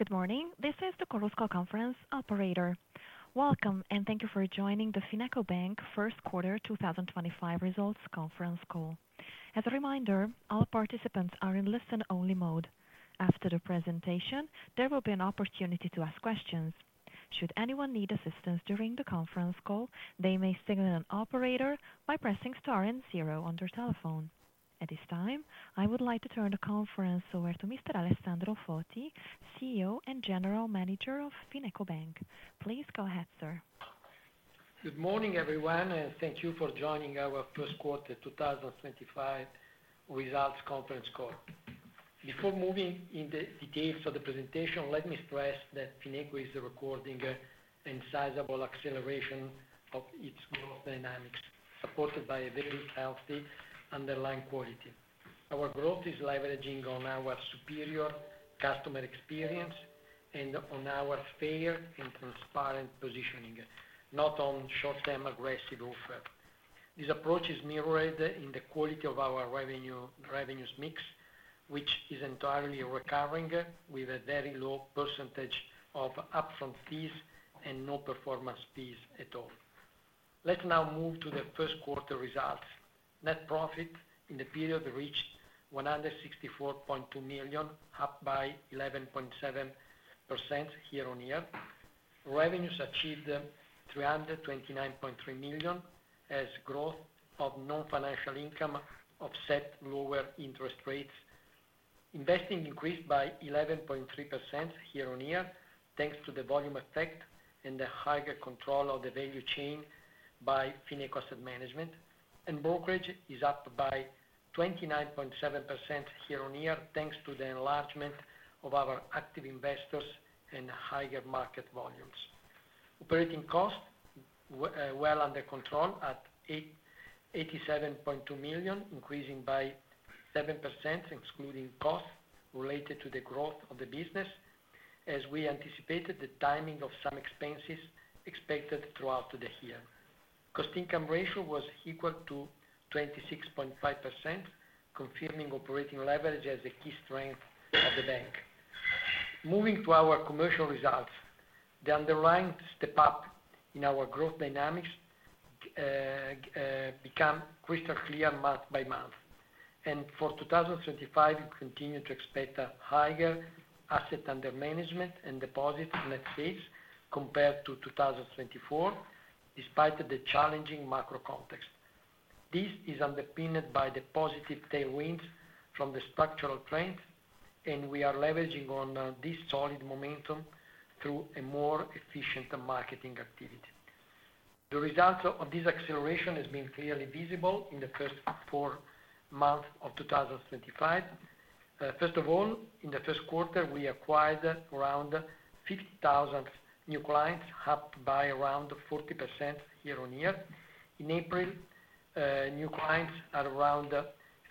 Good morning. This is the Korousko Conference Operator. Welcome, and thank you for joining the FinecoBank First Quarter 2025 Results Conference Call. As a reminder, all participants are in listen-only mode. After the presentation, there will be an opportunity to ask questions. Should anyone need assistance during the conference call, they may signal an operator by pressing star and zero on their telephone. At this time, I would like to turn the conference over to Mr. Alessandro Foti, CEO and General Manager of FinecoBank. Please go ahead, sir. Good morning, everyone, and thank you for joining our First Quarter 2025 Results Conference Call. Before moving into the details of the presentation, let me stress that Fineco is recording a sizable acceleration of its growth dynamics, supported by a very healthy underlying quality. Our growth is leveraging on our superior customer experience and on our fair and transparent positioning, not on short-term aggressive offers. This approach is mirrored in the quality of our revenues mix, which is entirely recurring, with a very low percentage of upfront fees and no performance fees at all. Let's now move to the first quarter results. Net profit in the period reached 164.2 million, up by 11.7% year on year. Revenues achieved 329.3 million as growth of non-financial income offset lower interest rates. Investing increased by 11.3% year on year, thanks to the volume effect and the higher control of the value chain by Fineco Asset Management, and brokerage is up by 29.7% year on year, thanks to the enlargement of our active investors and higher market volumes. Operating cost well under control at 87.2 million, increasing by 7%, excluding costs related to the growth of the business, as we anticipated the timing of some expenses expected throughout the year. Cost-to-income ratio was equal to 26.5%, confirming operating leverage as a key strength of the bank. Moving to our commercial results, the underlying step-up in our growth dynamics became crystal clear month by month. For 2025, we continue to expect a higher asset under management and deposit net fees compared to 2024, despite the challenging macro context. This is underpinned by the positive tailwinds from the structural trends, and we are leveraging on this solid momentum through a more efficient marketing activity. The result of this acceleration has been clearly visible in the first four months of 2025. First of all, in the first quarter, we acquired around 50,000 new clients, up by around 40% year on year. In April, new clients are around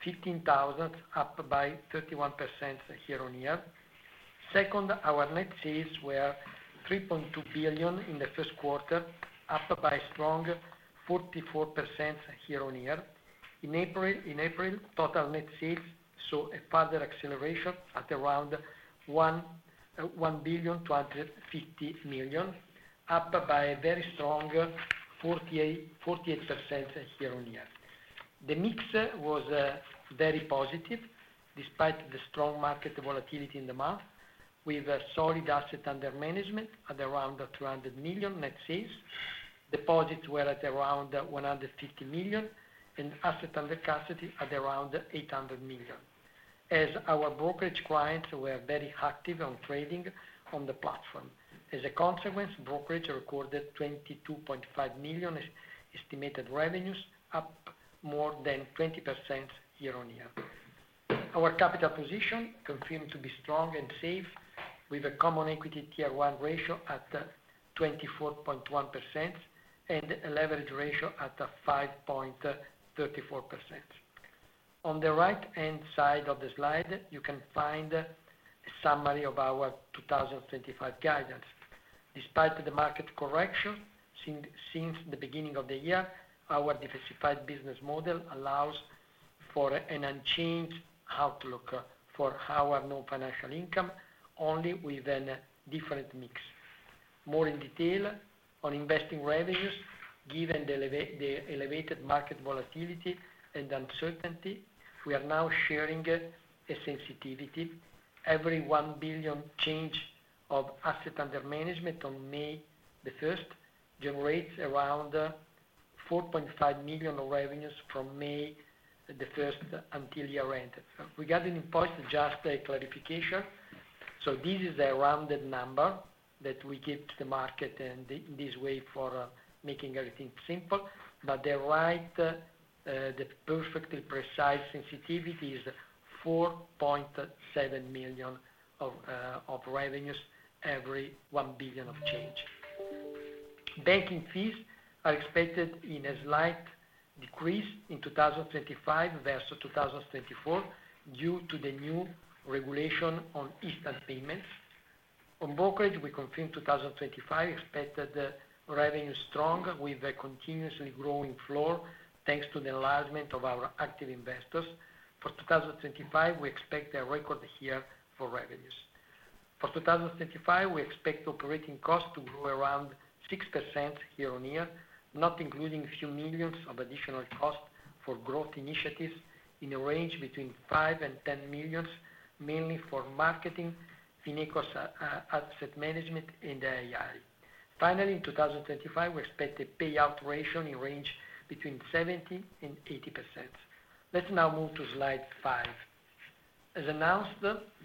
15,000, up by 31% year on year. Second, our net sales were 3.2 billion in the first quarter, up by a strong 44% year on year. In April, total net sales saw a further acceleration at around 1,250 million, up by a very strong 48% year on year. The mix was very positive, despite the strong market volatility in the month, with solid asset under management at around 200 million net sales, deposits were at around 150 million, and asset under custody at around 800 million, as our brokerage clients were very active on trading on the platform. As a consequence, brokerage recorded 22.5 million estimated revenues, up more than 20% year on year. Our capital position confirmed to be strong and safe, with a Common Equity Tier One ratio at 24.1% and a leverage ratio at 5.34%. On the right-hand side of the slide, you can find a summary of our 2025 guidance. Despite the market correction since the beginning of the year, our diversified business model allows for an unchanged outlook for our non-financial income, only with a different mix. More in detail, on investing revenues, given the elevated market volatility and uncertainty, we are now sharing a sensitivity. Every 1 billion change of asset under management on May 1 generates around 4.5 million revenues from May 1 until year-end. Regarding impulse, just a clarification. This is a rounded number that we give to the market in this way for making everything simple, but the right, the perfectly precise sensitivity is 4.7 million of revenues every 1 billion of change. Banking fees are expected in a slight decrease in 2025 versus 2024 due to the new regulation on instant payments. On brokerage, we confirm 2025 expected revenue strong with a continuously growing floor thanks to the enlargement of our active investors. For 2025, we expect a record year for revenues. For 2025, we expect operating costs to grow around 6% year on year, not including a few millions of additional costs for growth initiatives in a range between 5 million and 10 million, mainly for marketing, Fineco Asset Management, and AI. Finally, in 2025, we expect a payout ratio in range between 70-80%. Let's now move to slide five. As announced,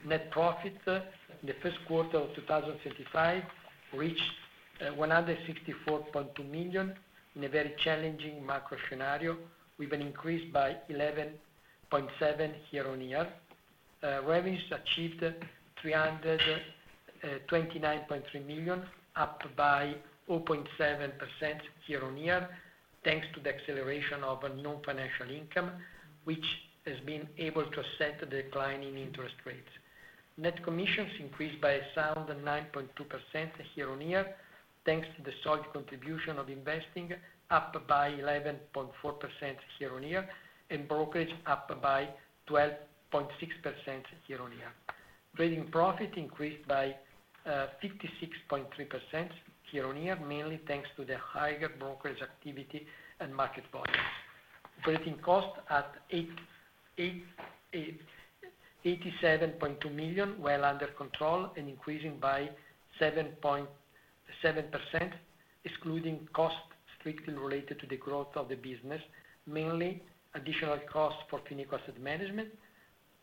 net profit in the first quarter of 2025 reached 164.2 million in a very challenging macro scenario, with an increase by 11.7% year on year. Revenues achieved 329.3 million, up by 0.7% year on year, thanks to the acceleration of non-financial income, which has been able to assess the decline in interest rates. Net commissions increased by a sound 9.2% year on year, thanks to the solid contribution of investing, up by 11.4% year on year, and brokerage, up by 12.6% year on year. Trading profit increased by 56.3% year on year, mainly thanks to the higher brokerage activity and market volumes. Operating cost at 87.2 million, well under control and increasing by 7.7%, excluding costs strictly related to the growth of the business, mainly additional costs for Fineco Asset Management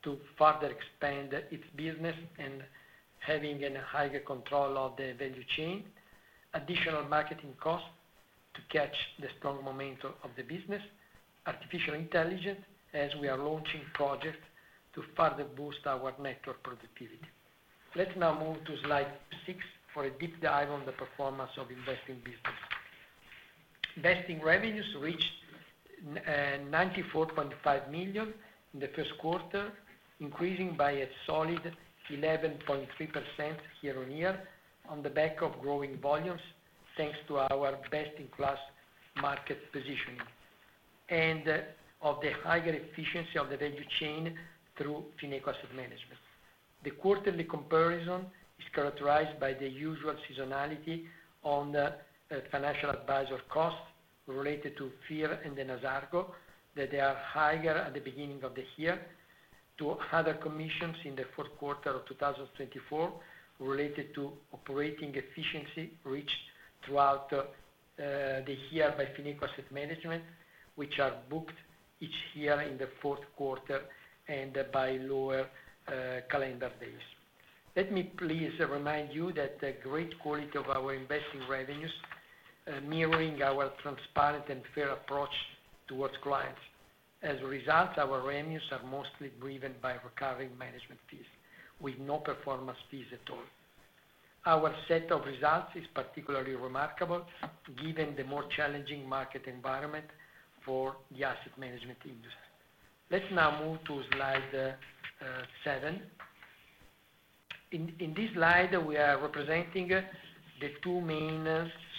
to further expand its business and having a higher control of the value chain. Additional marketing costs to catch the strong momentum of the business, artificial intelligence, as we are launching projects to further boost our network productivity. Let's now move to slide six for a deep dive on the performance of investing business. Investing revenues reached 94.5 million in the first quarter, increasing by a solid 11.3% year on year on the back of growing volumes, thanks to our best-in-class market positioning and of the higher efficiency of the value chain through Fineco Asset Management. The quarterly comparison is characterized by the usual seasonality on financial advisor costs related to Fear and the Nazarko that they are higher at the beginning of the year to other commissions in the fourth quarter of 2024 related to operating efficiency reached throughout the year by Fineco Asset Management, which are booked each year in the fourth quarter and by lower calendar days. Let me please remind you that the great quality of our investing revenues mirrors our transparent and fair approach towards clients. As a result, our revenues are mostly driven by recurring management fees, with no performance fees at all. Our set of results is particularly remarkable given the more challenging market environment for the asset management industry. Let's now move to slide seven. In this slide, we are representing the two main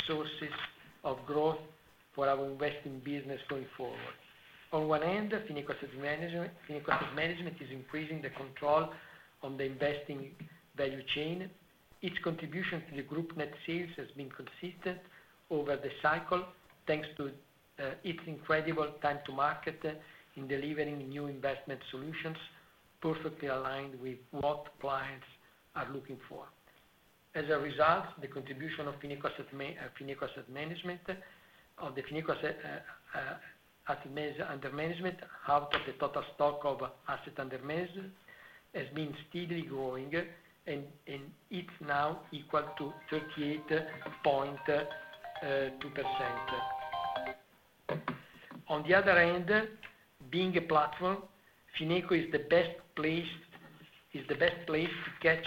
sources of growth for our investing business going forward. On one end, Fineco Asset Management is increasing the control on the investing value chain. Its contribution to the group net sales has been consistent over the cycle, thanks to its incredible time to market in delivering new investment solutions, perfectly aligned with what clients are looking for. As a result, the contribution of Fineco Asset Management on the Fineco Asset Management out of the total stock of asset under management has been steadily growing, and it's now equal to 38.2%. On the other end, being a platform, Fineco is the best place to catch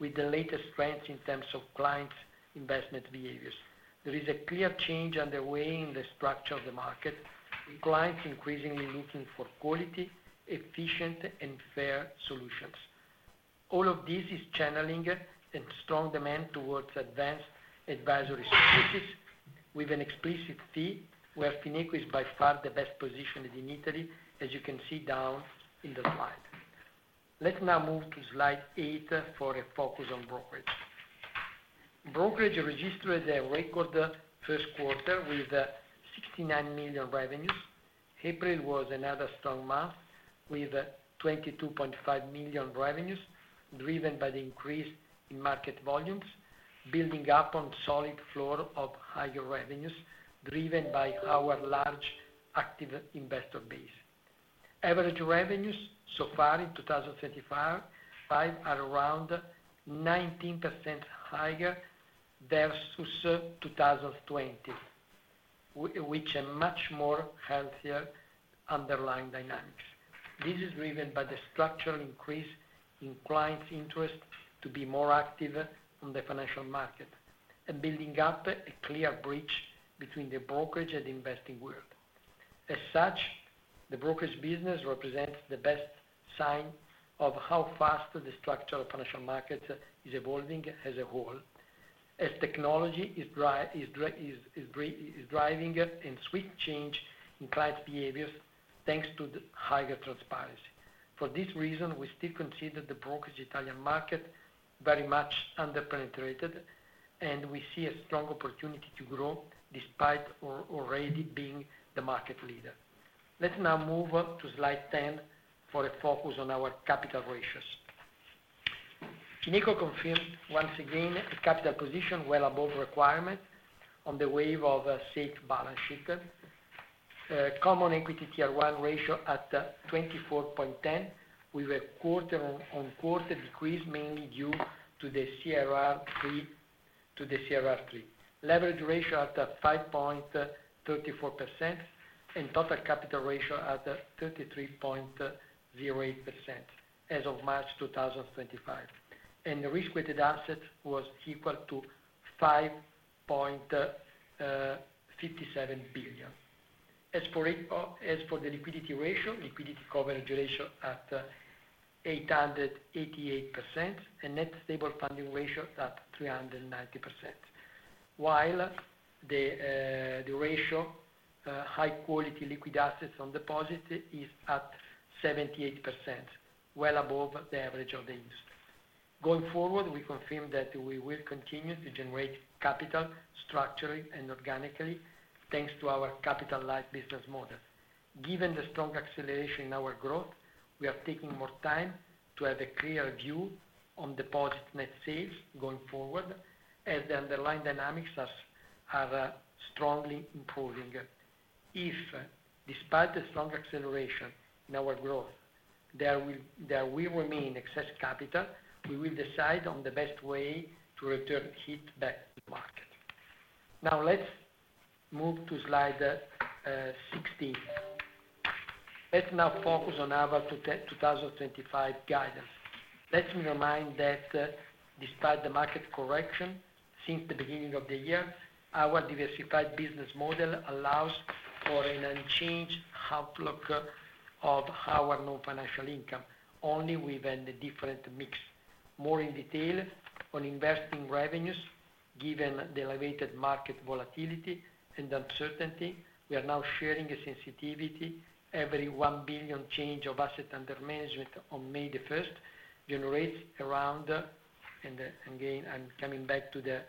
with the latest trends in terms of client investment behaviors. There is a clear change underway in the structure of the market. Clients are increasingly looking for quality, efficient, and fair solutions. All of this is channeling strong demand towards advanced advisory services with an explicit fee, where FINECO is by far the best positioned in Italy, as you can see down in the slide. Let's now move to slide eight for a focus on brokerage. Brokerage registered a record first quarter with 69 million revenues. April was another strong month with 22.5 million revenues, driven by the increase in market volumes, building up on a solid floor of higher revenues, driven by our large active investor base. Average revenues so far in 2025 are around 19% higher versus 2020, which is a much more healthier underlying dynamic. This is driven by the structural increase in clients' interest to be more active on the financial market and building up a clear bridge between the brokerage and investing world. As such, the brokerage business represents the best sign of how fast the structure of the financial market is evolving as a whole, as technology is driving a swift change in client behaviors, thanks to higher transparency. For this reason, we still consider the brokerage Italian market very much under-penetrated, and we see a strong opportunity to grow despite already being the market leader. Let's now move to slide 10 for a focus on our capital ratios. Fineco confirmed once again a capital position well above requirement on the wave of a safe balance sheet. Common Equity Tier One ratio at 24.10%, with a quarter-on-quarter decrease mainly due to the CR3. Leverage ratio at 5.34% and total capital ratio at 33.08% as of March 2025. The risk-weighted asset was equal to 5.57 billion. As for the liquidity ratio, liquidity coverage ratio at 888% and net stable funding ratio at 390%, while the ratio of high-quality liquid assets on deposit is at 78%, well above the average of the industry. Going forward, we confirm that we will continue to generate capital structurally and organically, thanks to our capital-light business model. Given the strong acceleration in our growth, we are taking more time to have a clear view on deposit net sales going forward, as the underlying dynamics are strongly improving. If, despite the strong acceleration in our growth, there will remain excess capital, we will decide on the best way to return it back to the market. Now, let's move to slide 16. Let's now focus on our 2025 guidance. Let me remind that despite the market correction since the beginning of the year, our diversified business model allows for an unchanged outlook of our non-financial income, only with a different mix. More in detail on investing revenues, given the elevated market volatility and uncertainty, we are now sharing a sensitivity. Every 1 billion change of asset under management on May 1 generates around, and again, I'm coming back to the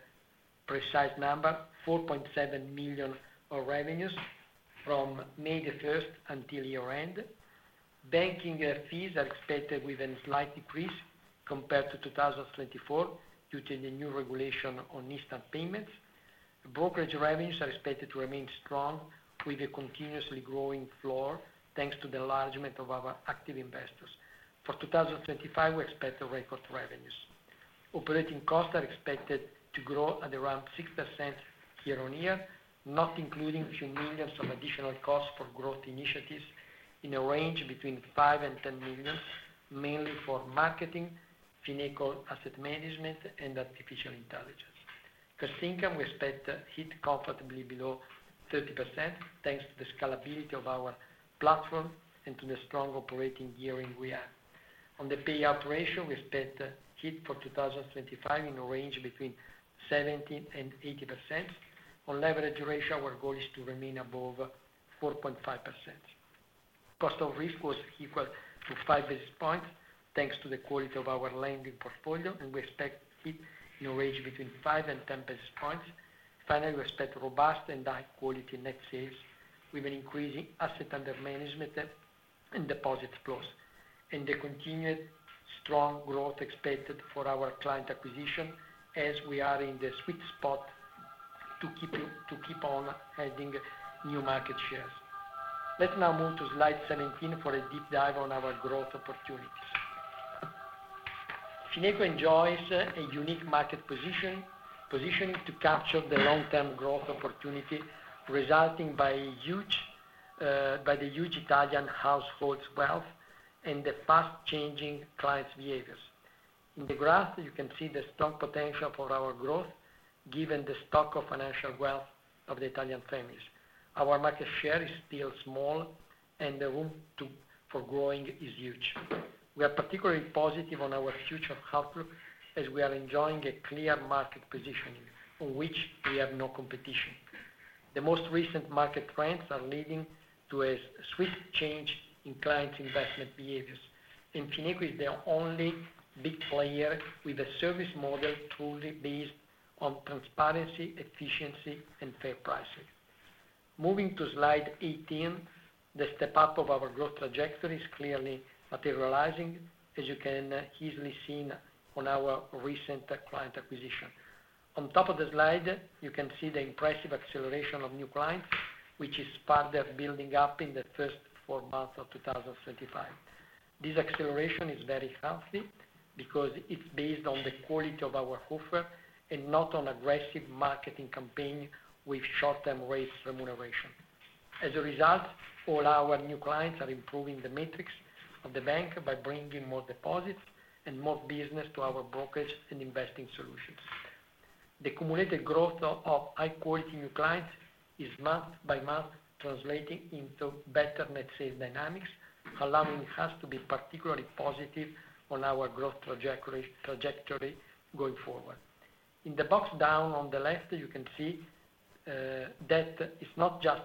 precise number, 4.7 million of revenues from May 1 until year-end. Banking fees are expected with a slight decrease compared to 2024 due to the new regulation on instant payments. Brokerage revenues are expected to remain strong with a continuously growing floor, thanks to the enlargement of our active investors. For 2025, we expect record revenues. Operating costs are expected to grow at around 6% year on year, not including a few millions of additional costs for growth initiatives in a range between 5 million and 10 million, mainly for marketing, Fineco Asset Management, and artificial intelligence. Cost income, we expect HIT comfortably below 30%, thanks to the scalability of our platform and to the strong operating year-end we have. On the payout ratio, we expect HIT for 2025 in a range between 70% and 80%. On leverage ratio, our goal is to remain above 4.5%. Cost of risk was equal to 5 basis points, thanks to the quality of our lending portfolio, and we expect HEAT n a range between 5 and 10 basis points. Finally, we expect robust and high-quality net sales with an increasing asset under management and deposit flows, and the continued strong growth expected for our client acquisition, as we are in the sweet spot to keep on adding new market shares. Let's now move to slide 17 for a deep dive on our growth opportunities. FINECO enjoys a unique market positioning to capture the long-term growth opportunity resulting by the huge Italian households' wealth and the fast-changing clients' behaviors. In the graph, you can see the strong potential for our growth given the stock of financial wealth of the Italian families. Our market share is still small, and the room for growing is huge. We are particularly positive on our future outlook as we are enjoying a clear market positioning on which we have no competition. The most recent market trends are leading to a sweet change in clients' investment behaviors. FINECO is the only big player with a service model truly based on transparency, efficiency, and fair pricing. Moving to slide 18, the step-up of our growth trajectory is clearly materializing, as you can easily see on our recent client acquisition. On top of the slide, you can see the impressive acceleration of new clients, which is part of building up in the first four months of 2025. This acceleration is very healthy because it's based on the quality of our offer and not on aggressive marketing campaigns with short-term rates remuneration. As a result, all our new clients are improving the metrics of the bank by bringing more deposits and more business to our brokerage and investing solutions. The cumulative growth of high-quality new clients is month by month translating into better net sales dynamics, allowing us to be particularly positive on our growth trajectory going forward. In the box down on the left, you can see that it's not just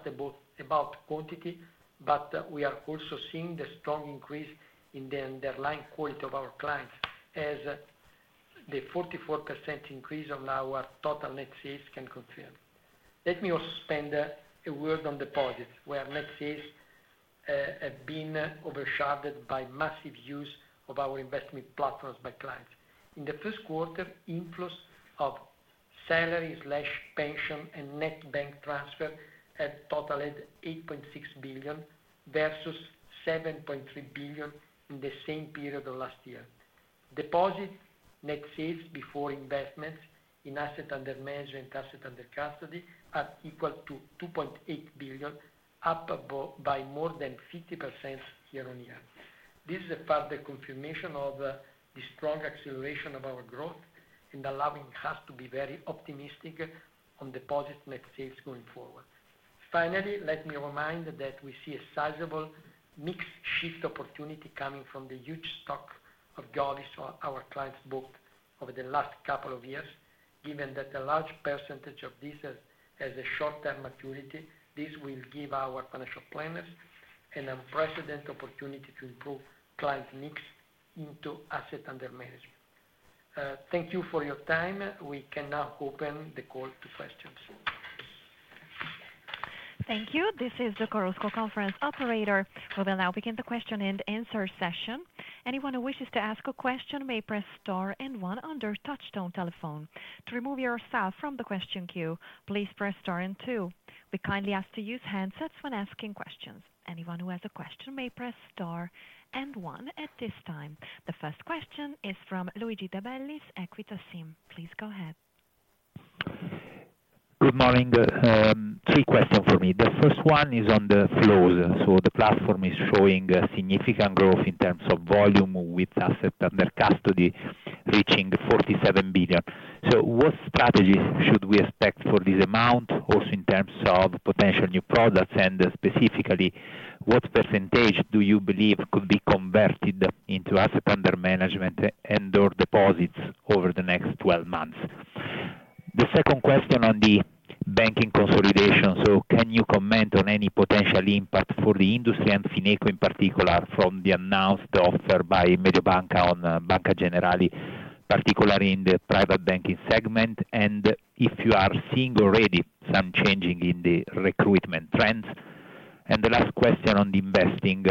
about quantity, but we are also seeing the strong increase in the underlying quality of our clients, as the 44% increase on our total net sales can confirm. Let me also spend a word on deposits, where net sales have been overshadowed by massive use of our investment platforms by clients. In the first quarter, inflows of salary/pension and net bank transfer totaled 8.6 billion versus 7.3 billion in the same period of last year. Deposit net sales before investments in asset under management and asset under custody are equal to 2.8 billion, up by more than 50% year on year. This is a further confirmation of the strong acceleration of our growth and allowing us to be very optimistic on deposit net sales going forward. Finally, let me remind that we see a sizable mix shift opportunity coming from the huge stock of jollies our clients booked over the last couple of years, given that a large percentage of this has a short-term maturity. This will give our financial planners an unprecedented opportunity to improve client mix into asset under management. Thank you for your time. We can now open the call to questions. Thank you. This is the Chorus Call conference operator. We will now begin the question and answer session. Anyone who wishes to ask a question may press star and one on their touch-tone telephone. To remove yourself from the question queue, please press star and two. We kindly ask to use handsets when asking questions. Anyone who has a question may press star and one at this time. The first question is from Luigi De Bellis, Equita SIM. Please go ahead. Good morning. Two questions for me. The first one is on the flows. The platform is showing significant growth in terms of volume with asset under custody reaching 47 billion. What strategy should we expect for this amount, also in terms of potential new products, and specifically, what percentage do you believe could be converted into asset under management and/or deposits over the next 12 months? The second question on the banking consolidation. Can you comment on any potential impact for the industry and Fineco in particular from the announced offer by Mediobanca on Banca Generali, particularly in the private banking segment, and if you are seeing already some changing in the recruitment trends? The last question on the investing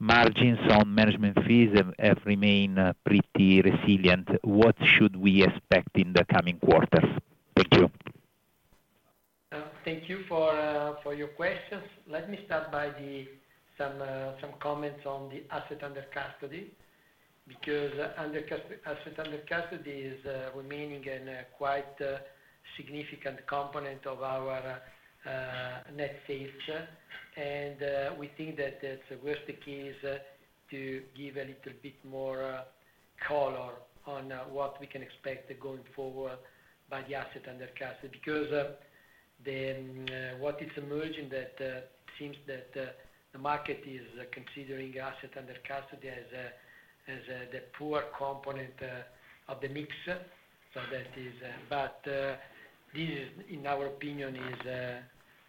margins on management fees have remained pretty resilient. What should we expect in the coming quarters? Thank you. Thank you for your questions. Let me start by some comments on the asset under custody because asset under custody is remaining a quite significant component of our net sales, and we think that it's worth the case to give a little bit more color on what we can expect going forward by the asset under custody because what is emerging that seems that the market is considering asset under custody as the poor component of the mix. That is, but this, in our opinion, is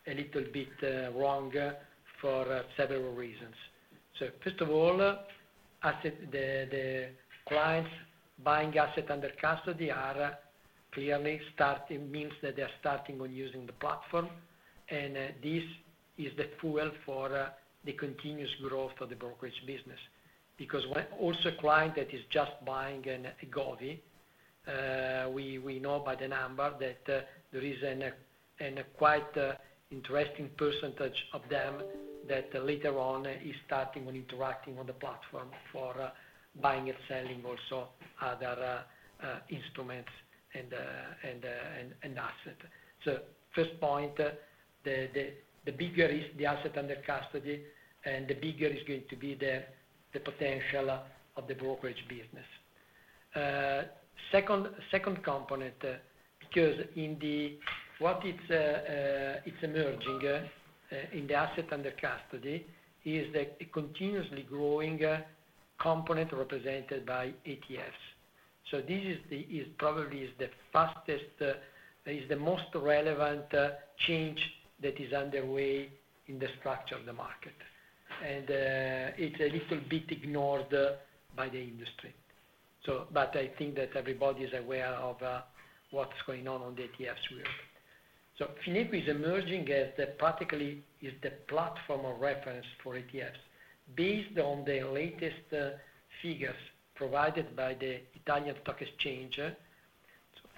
a little bit wrong for several reasons. First of all, the clients buying asset under custody are clearly starting, meaning that they are starting on using the platform, and this is the fuel for the continuous growth of the brokerage business because also a client that is just buying an IGOVI, we know by the number that there is a quite interesting percentage of them that later on is starting on interacting on the platform for buying and selling also other instruments and assets. First point, the bigger is the asset under custody, and the bigger is going to be the potential of the brokerage business. Second component, because in what is emerging in the asset under custody is the continuously growing component represented by ETFs. This is probably the fastest, is the most relevant change that is underway in the structure of the market, and it's a little bit ignored by the industry. I think that everybody is aware of what's going on on the ETFs world. FINEBU is emerging as practically is the platform of reference for ETFs. Based on the latest figures provided by the Italian stock exchange,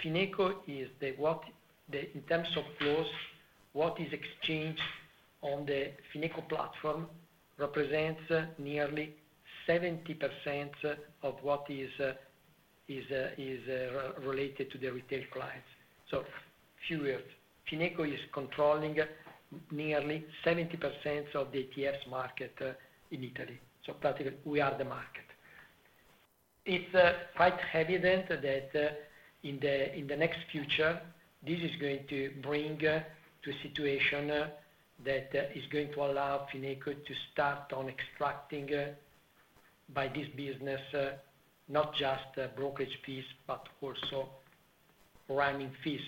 FINECO is the in terms of flows, what is exchanged on the Fineco platform represents nearly 70% of what is related to the retail clients. A few words. Finneco is controlling nearly 70% of ATS market in Italy. Practically, we are the market. It's quite evident that in the next future, this is going to bring to a situation that is going to allow Fineco to start on extracting by this business not just brokerage fees, but also rhyming fees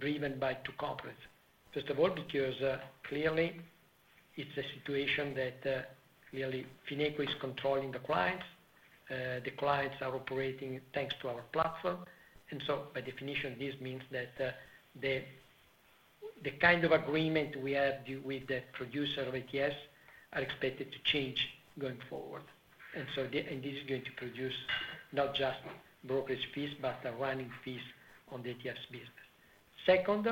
driven by two components. First of all, because clearly it's a situation that clearly Fineco is controlling the clients. The clients are operating thanks to our platform. By definition, this means that the kind of agreement we have with the producer of ATS are expected to change going forward. This is going to produce not just brokerage fees, but rhyming fees on the ATS business. Second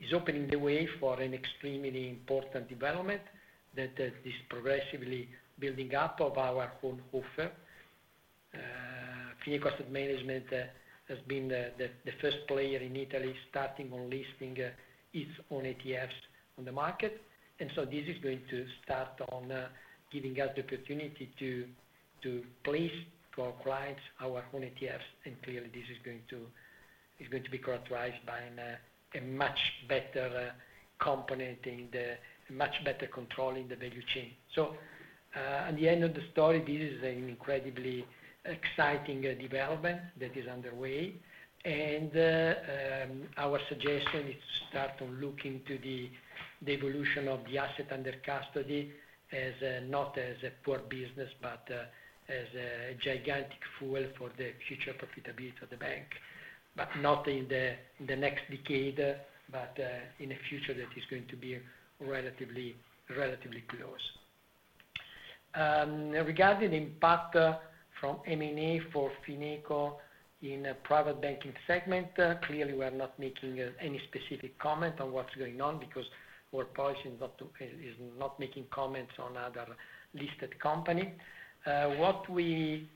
is opening the way for an extremely important development that is progressively building up of our own offer. Fineco Asset Management has been the first player in Italy starting on listing its own ETFs on the market. This is going to start on giving us the opportunity to place our clients our own ETFs, and clearly this is going to be characterized by a much better component and a much better control in the value chain. At the end of the story, this is an incredibly exciting development that is underway. Our suggestion is to start on looking to the evolution of the asset under custody not as a poor business, but as a gigantic fuel for the future profitability of the bank, but not in the next decade, but in a future that is going to be relatively close. Regarding the impact from M&A for Fineco in the private banking segment, clearly we are not making any specific comment on what's going on because our policy is not making comments on other listed companies. What we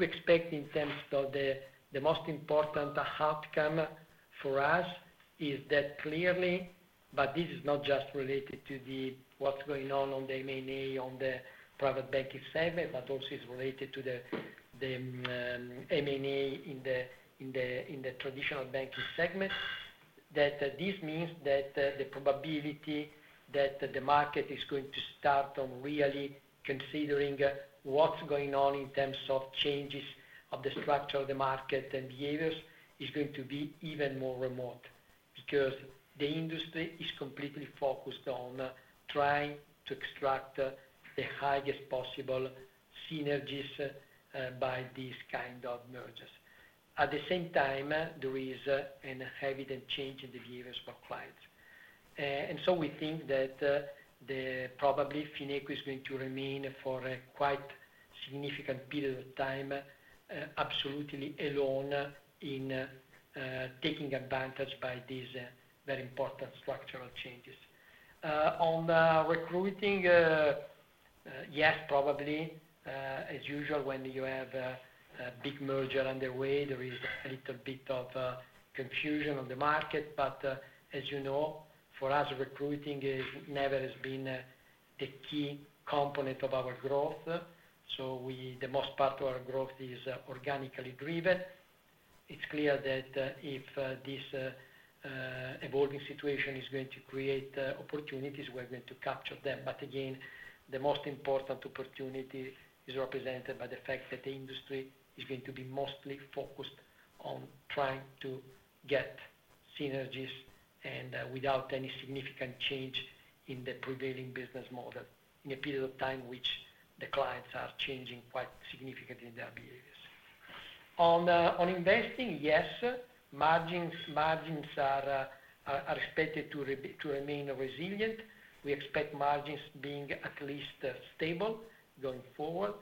expect in terms of the most important outcome for us is that clearly, but this is not just related to what's going on on the M&A on the private banking segment, but also is related to the M&A in the traditional banking segment, that this means that the probability that the market is going to start on really considering what's going on in terms of changes of the structure of the market and behaviors is going to be even more remote because the industry is completely focused on trying to extract the highest possible synergies by these kind of mergers. At the same time, there is an evident change in the behaviors of our clients. We think that probably FINECO is going to remain for a quite significant period of time absolutely alone in taking advantage by these very important structural changes. On recruiting, yes, probably. As usual, when you have a big merger underway, there is a little bit of confusion on the market. As you know, for us, recruiting never has been the key component of our growth. The most part of our growth is organically driven. It is clear that if this evolving situation is going to create opportunities, we are going to capture them. Again, the most important opportunity is represented by the fact that the industry is going to be mostly focused on trying to get synergies and without any significant change in the prevailing business model in a period of time in which the clients are changing quite significantly in their behaviors. On investing, yes, margins are expected to remain resilient. We expect margins being at least stable going forward.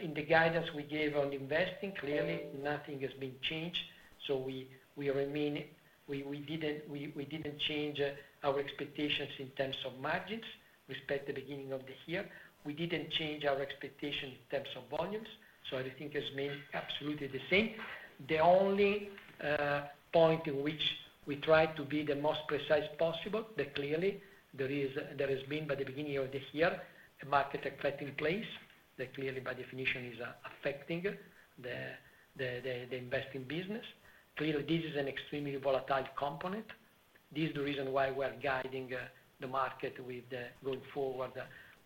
In the guidance we gave on investing, clearly nothing has been changed. We didn't change our expectations in terms of margins respect the beginning of the year. We didn't change our expectations in terms of volumes. Everything has remained absolutely the same. The only point in which we try to be the most precise possible, that clearly there has been by the beginning of the year a market cutting place that clearly by definition is affecting the investing business. Clearly, this is an extremely volatile component. This is the reason why we're guiding the market with going forward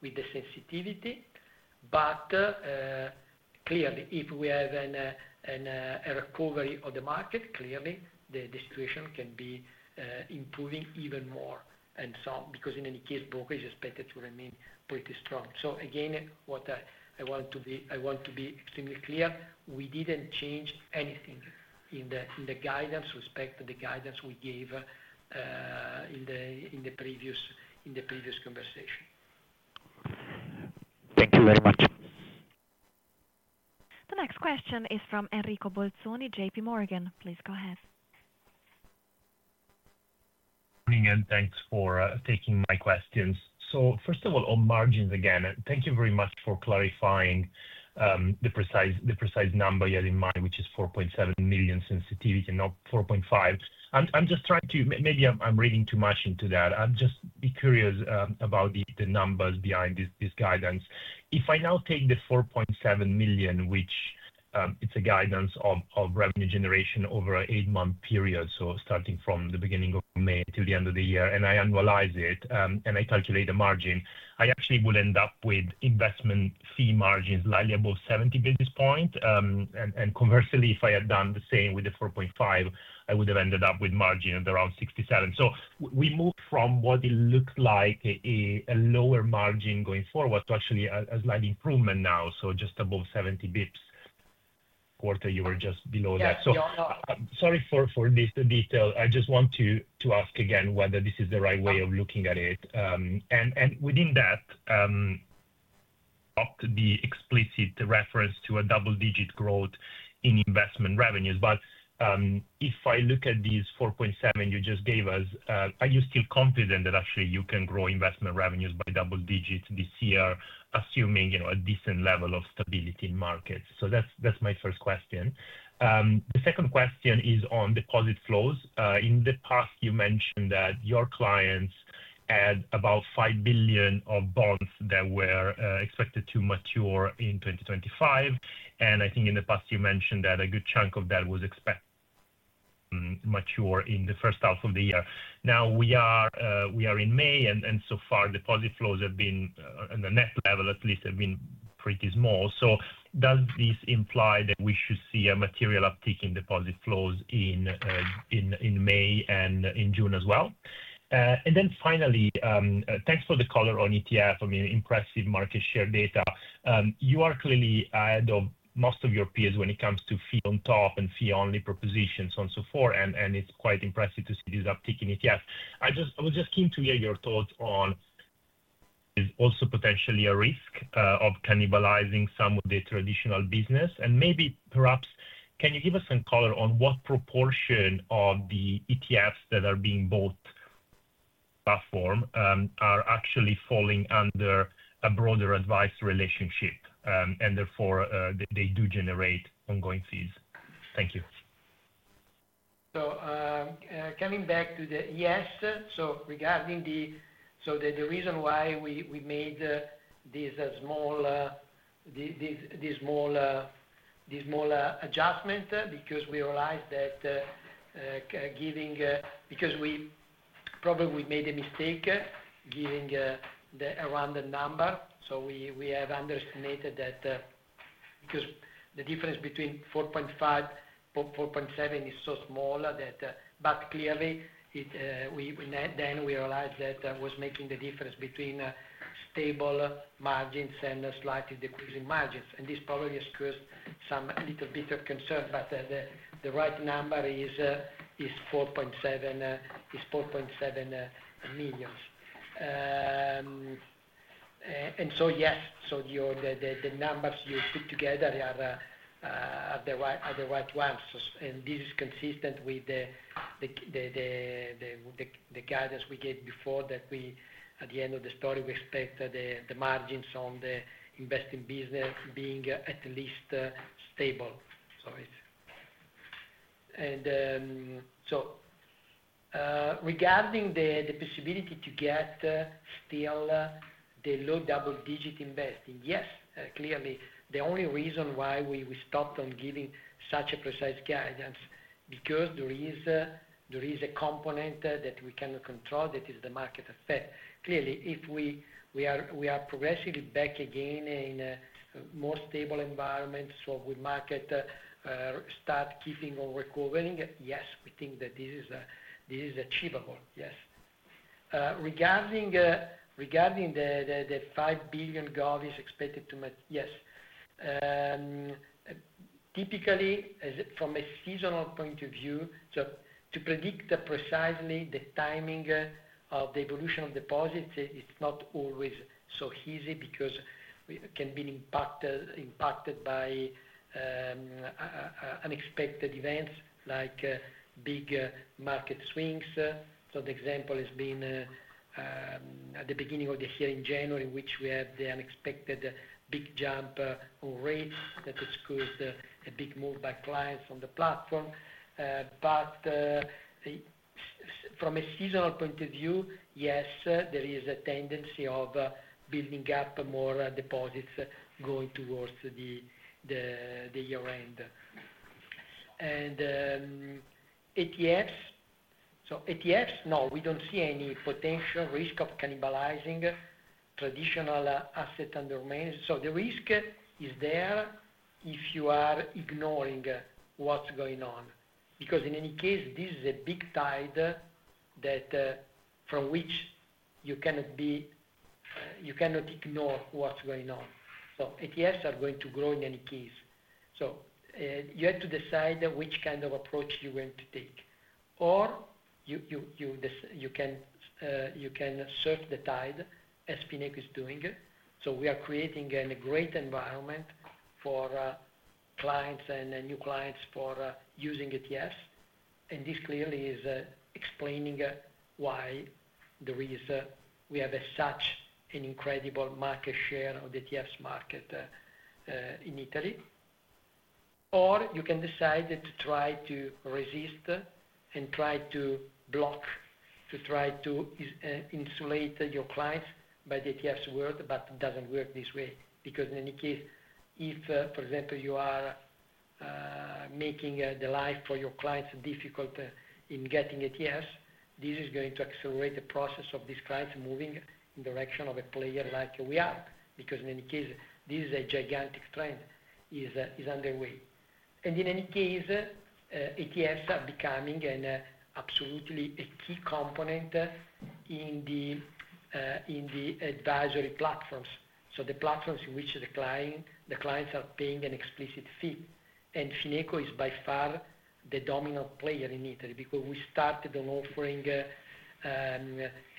with the sensitivity. Clearly, if we have a recovery of the market, the situation can be improving even more and some because in any case, brokers are expected to remain pretty strong. Again, what I want to be extremely clear, we didn't change anything in the guidance respect to the guidance we gave in the previous conversation. Thank you very much. The next question is from Enrico Bolzoni, JP Morgan. Please go ahead. Good morning and thanks for taking my questions. First of all, on margins again, thank you very much for clarifying the precise number you had in mind, which is 4.7 million sensitivity, not 4.5 million. I'm just trying to, maybe I'm reading too much into that. I'm just curious about the numbers behind this guidance. If I now take the 4.7 million, which is a guidance of revenue generation over an eight-month period, starting from the beginning of May to the end of the year, and I annualize it and I calculate the margin, I actually would end up with investment fee margins slightly above 70 basis points. Conversely, if I had done the same with the 4.5 million, I would have ended up with margin of around 67 basis points. We moved from what it looked like a lower margin going forward to actually a slight improvement now, so just above 70 basis points. Quarter, you were just below that. Sorry for this detail. I just want to ask again whether this is the right way of looking at it. Within that, not the explicit reference to a double-digit growth in investment revenues. If I look at these 4.7% you just gave us, are you still confident that actually you can grow investment revenues by double digits this year, assuming a decent level of stability in markets? That is my first question. The second question is on deposit flows. In the past, you mentioned that your clients had about 5 billion of bonds that were expected to mature in 2025. I think in the past, you mentioned that a good chunk of that was expected to mature in the first half of the year. Now we are in May, and so far deposit flows have been on the net level, at least have been pretty small. Does this imply that we should see a material uptick in deposit flows in May and in June as well? Finally, thanks for the color on ETF, I mean, impressive market share data. You are clearly ahead of most of your peers when it comes to fee-on-top and fee-only propositions, so on and so forth. It is quite impressive to see this uptick in ETF. I was just keen to hear your thoughts on is also potentially a risk of cannibalizing some of the traditional business. Maybe perhaps can you give us some color on what proportion of the ETFs that are being bought by platform are actually falling under a broader advice relationship, and therefore they do generate ongoing fees? Thank you. Coming back to the yes, regarding the reason why we made this small adjustment, we realized that giving because we probably made a mistake giving around the number. We have underestimated that because the difference between 4.5%, 4.7% is so small, but clearly then we realized that was making the difference between stable margins and slightly decreasing margins. This probably has caused a little bit of concern, but the right number is 4.7 million. Yes, the numbers you put together are the right ones. This is consistent with the guidance we gave before that at the end of the story, we expect the margins on the investing business being at least stable. Regarding the possibility to get still the low double-digit investing, yes, clearly the only reason why we stopped on giving such a precise guidance is because there is a component that we cannot control that is the market effect. Clearly, if we are progressively back again in a more stable environment, would market start keeping on recovering? Yes, we think that this is achievable. Yes. Regarding the 5 billion guidance expected to, yes. Typically, from a seasonal point of view, to predict precisely the timing of the evolution of deposits, it is not always so easy because it can be impacted by unexpected events like big market swings. The example has been at the beginning of the year in January, which we had the unexpected big jump on rates that has caused a big move by clients on the platform. From a seasonal point of view, yes, there is a tendency of building up more deposits going towards the year-end. ETFs? ETFs, no, we do not see any potential risk of cannibalizing traditional asset under management. The risk is there if you are ignoring what is going on. Because in any case, this is a big tide from which you cannot ignore what is going on. ETFs are going to grow in any case. You have to decide which kind of approach you are going to take. You can surf the tide as PNAIC is doing. We are creating a great environment for clients and new clients for using ATS. This clearly is explaining why we have such an incredible market share of the TFs market in Italy. You can decide to try to resist and try to block, to try to insulate your clients by the ATS world, but it does not work this way. Because in any case, if, for example, you are making the life for your clients difficult in getting ATS, this is going to accelerate the process of these clients moving in the direction of a player like we are. Because in any case, this is a gigantic trend is underway. In any case, ATS are becoming absolutely a key component in the advisory platforms. The platforms in which the clients are paying an explicit fee. FINECO is by far the dominant player in Italy because we started on offering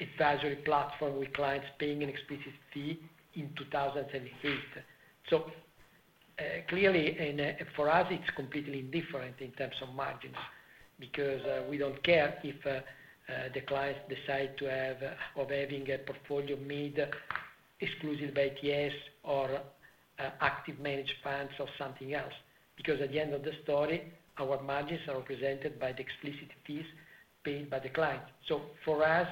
advisory platform with clients paying an explicit fee in 2018. Clearly, for us, it's completely indifferent in terms of margins because we don't care if the clients decide to have a portfolio made exclusively by ATS or active managed funds or something else. Because at the end of the story, our margins are represented by the explicit fees paid by the clients. For us,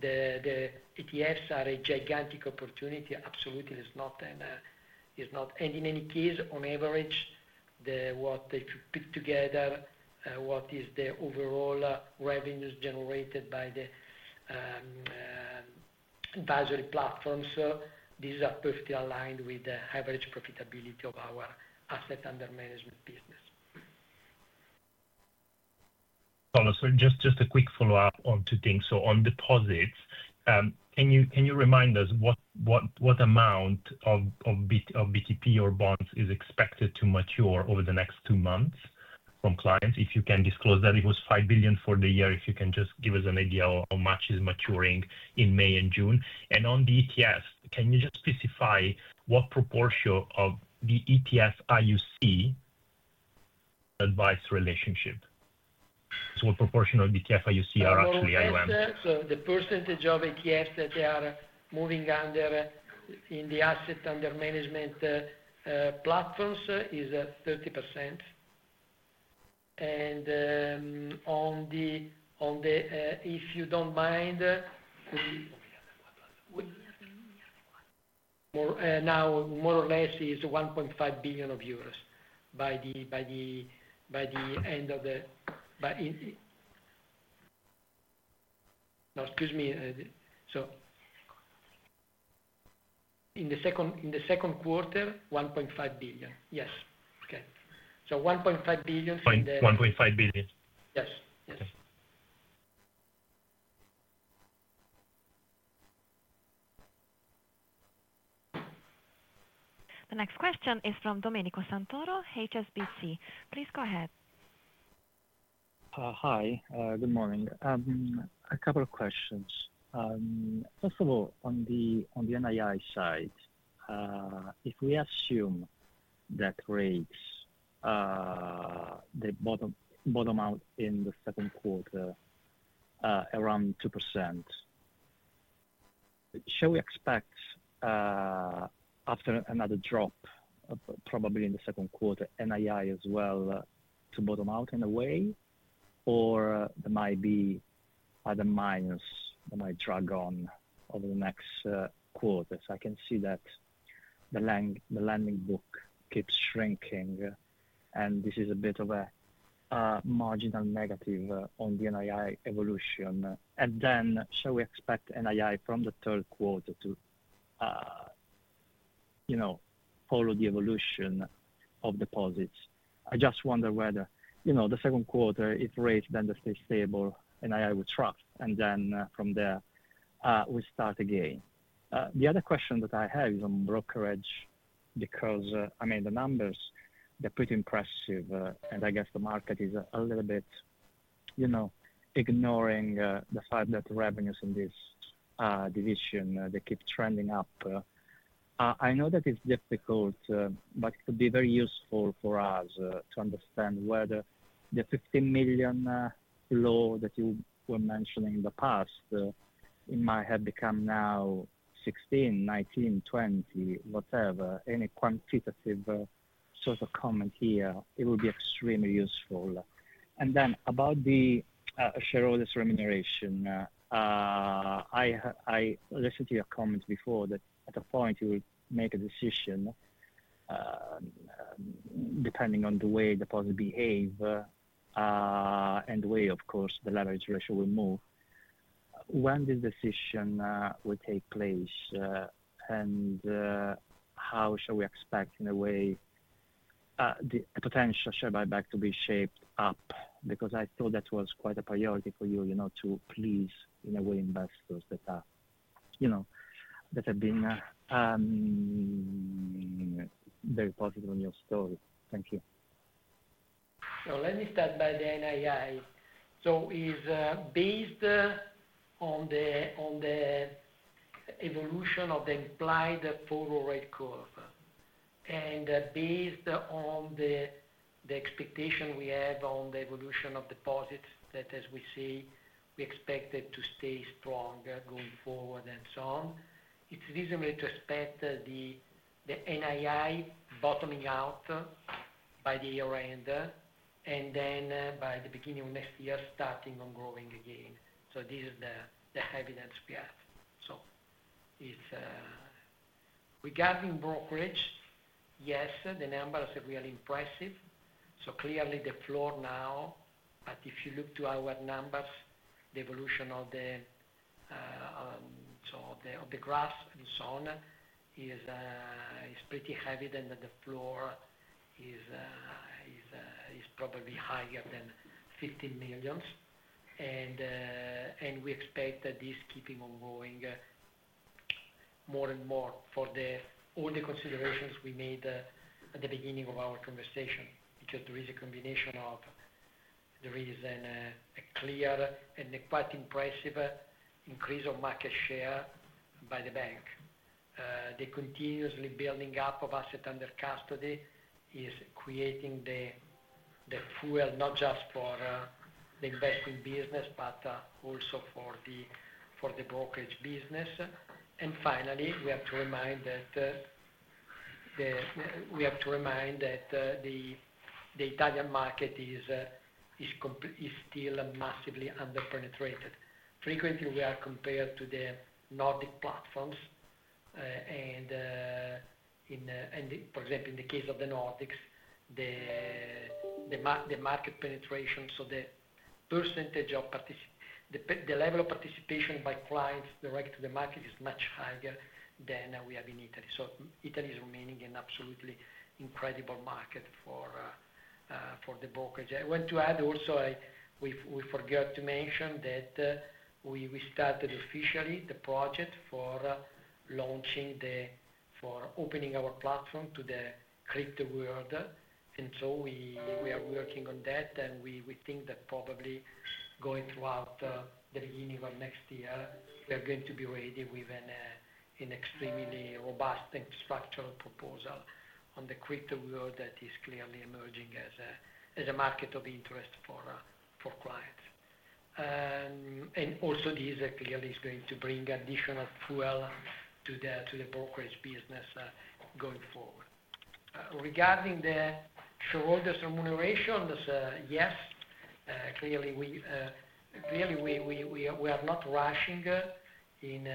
the ETFs are a gigantic opportunity. Absolutely, it's not. In any case, on average, if you put together what is the overall revenues generated by the advisory platforms, these are perfectly aligned with the average profitability of our asset under management business. Just a quick follow-up on two things. On deposits, can you remind us what amount of BTP or bonds is expected to mature over the next two months from clients? If you can disclose that it was 5 billion for the year, if you can just give us an idea of how much is maturing in May and June. On the ETFs, can you just specify what proportion of the ETF IUC advice relationship? What proportion of ETF IUC are actually AUM? The percentage of ETFs that they are moving under in the asset under management platforms is 30%. If you do not mind, now more or less is 1.5 billion euros by the end of the, no, excuse me. In the second quarter, 1.5 billion. Yes. Okay. 1.5 billion. 1.5 billion. Yes. Yes. The next question is from Domenico Santoro, HSBC. Please go ahead. Hi. Good morning. A couple of questions. First of all, on the NII side, if we assume that rates they bottom out in the second quarter around 2%, shall we expect after another drop, probably in the second quarter, NII as well to bottom out in a way, or there might be other minus that might drag on over the next quarter? I can see that the lending book keeps shrinking, and this is a bit of a marginal negative on the NII evolution. Shall we expect NII from the third quarter to follow the evolution of deposits? I just wonder whether the second quarter, if rates then stay stable, NII will trough, and then from there, we start again. The other question that I have is on brokerage because, I mean, the numbers, they're pretty impressive. I guess the market is a little bit ignoring the fact that revenues in this division, they keep trending up. I know that it's difficult, but it could be very useful for us to understand whether the 15 million low that you were mentioning in the past, it might have become now 16 million, 19 million, 20 million, whatever, any quantitative sort of comment here, it would be extremely useful. Then about the shareholders' remuneration, I listened to your comments before that at a point you will make a decision depending on the way deposits behave and the way, of course, the leverage ratio will move. When this decision will take place and how shall we expect in a way the potential share buyback to be shaped up? Because I thought that was quite a priority for you to please in a way investors that have been very positive on your story. Thank you. Let me start by the NII. It is based on the evolution of the implied forward rate curve. Based on the expectation we have on the evolution of deposits that, as we see, we expect to stay strong going forward and so on, it is reasonable to expect the NII bottoming out by the year-end and then by the beginning of next year starting on growing again. This is the evidence we have. Regarding brokerage, yes, the numbers are really impressive. Clearly the floor now, but if you look to our numbers, the evolution of the graph and so on is pretty heavy and that the floor is probably higher than 15 million. We expect that this is keeping on going more and more for all the considerations we made at the beginning of our conversation because there is a combination of a clear and quite impressive increase of market share by the bank. The continuously building up of asset under custody is creating the fuel not just for the investing business, but also for the brokerage business. Finally, we have to remind that the Italian market is still massively underpenetrated. Frequently, we are compared to the Nordic platforms. For example, in the case of the Nordics, the market penetration, so the percentage of the level of participation by clients direct to the market, is much higher than we have in Italy. Italy is remaining an absolutely incredible market for the brokerage. I want to add also we forgot to mention that we started officially the project for launching the for opening our platform to the crypto world. We are working on that. We think that probably going throughout the beginning of next year, we are going to be ready with an extremely robust infrastructure proposal on the crypto world that is clearly emerging as a market of interest for clients. This clearly is going to bring additional fuel to the brokerage business going forward. Regarding the shareholders' remuneration, yes, clearly we are not rushing in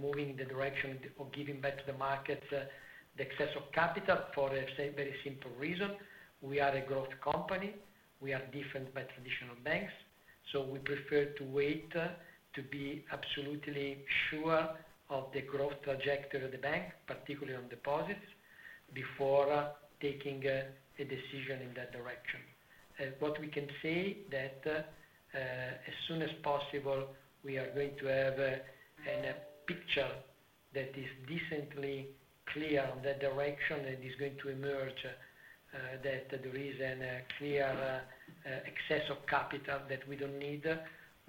moving in the direction of giving back to the market the excess of capital for a very simple reason. We are a growth company. We are different by traditional banks. We prefer to wait to be absolutely sure of the growth trajectory of the bank, particularly on deposits, before taking a decision in that direction. What we can say is that as soon as possible, we are going to have a picture that is decently clear on that direction that is going to emerge that there is a clear excess of capital that we do not need.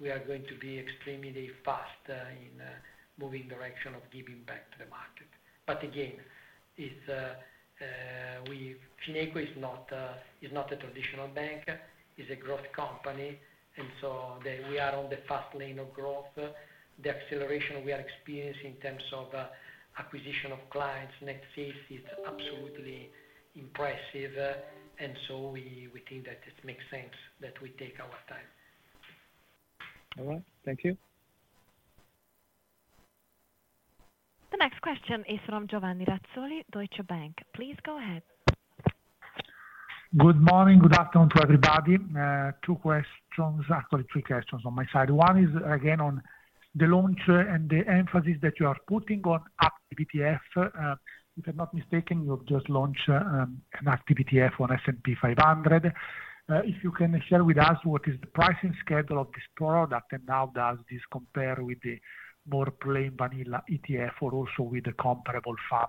We are going to be extremely fast in moving the direction of giving back to the market. Again, Fineco is not a traditional bank. It is a growth company. We are on the fast lane of growth. The acceleration we are experiencing in terms of acquisition of clients next year is absolutely impressive. We think that it makes sense that we take our time. All right. Thank you. The next question is from Giovanni Razzoni, Deutsche Bank. Please go ahead. Good morning. Good afternoon to everybody. Two questions, actually three questions on my side. One is again on the launch and the emphasis that you are putting on active ETF. If I'm not mistaken, you have just launched an active ETF on S&P 500. If you can share with us what is the pricing schedule of this product and how does this compare with the more plain vanilla ETF or also with the comparable fund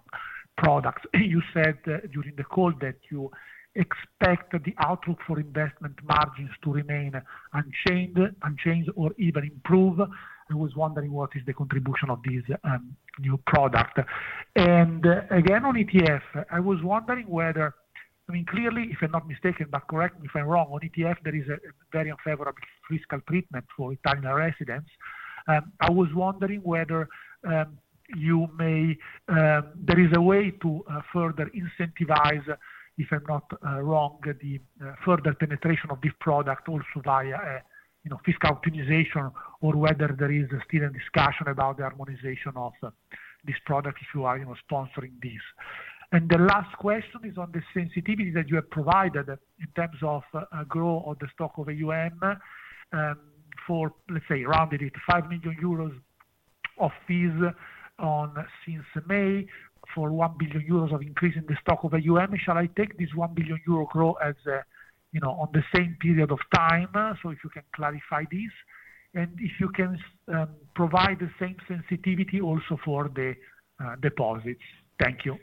products. You said during the call that you expect the outlook for investment margins to remain unchanged or even improve. I was wondering what is the contribution of this new product. Again, on ETF, I was wondering whether, I mean, clearly, if I'm not mistaken, but correct me if I'm wrong, on ETF, there is a very unfavorable fiscal treatment for Italian residents. I was wondering whether you may, there is a way to further incentivize, if I'm not wrong, the further penetration of this product also via fiscal optimization or whether there is still a discussion about the harmonization of this product if you are sponsoring this. The last question is on the sensitivity that you have provided in terms of growth of the stock of AUM for, let's say, rounded it 5 million euros of fees since May for 1 billion euros of increase in the stock of AUM. Shall I take this 1 billion euro growth as on the same period of time? If you can clarify this. If you can provide the same sensitivity also for the deposits. Thank you.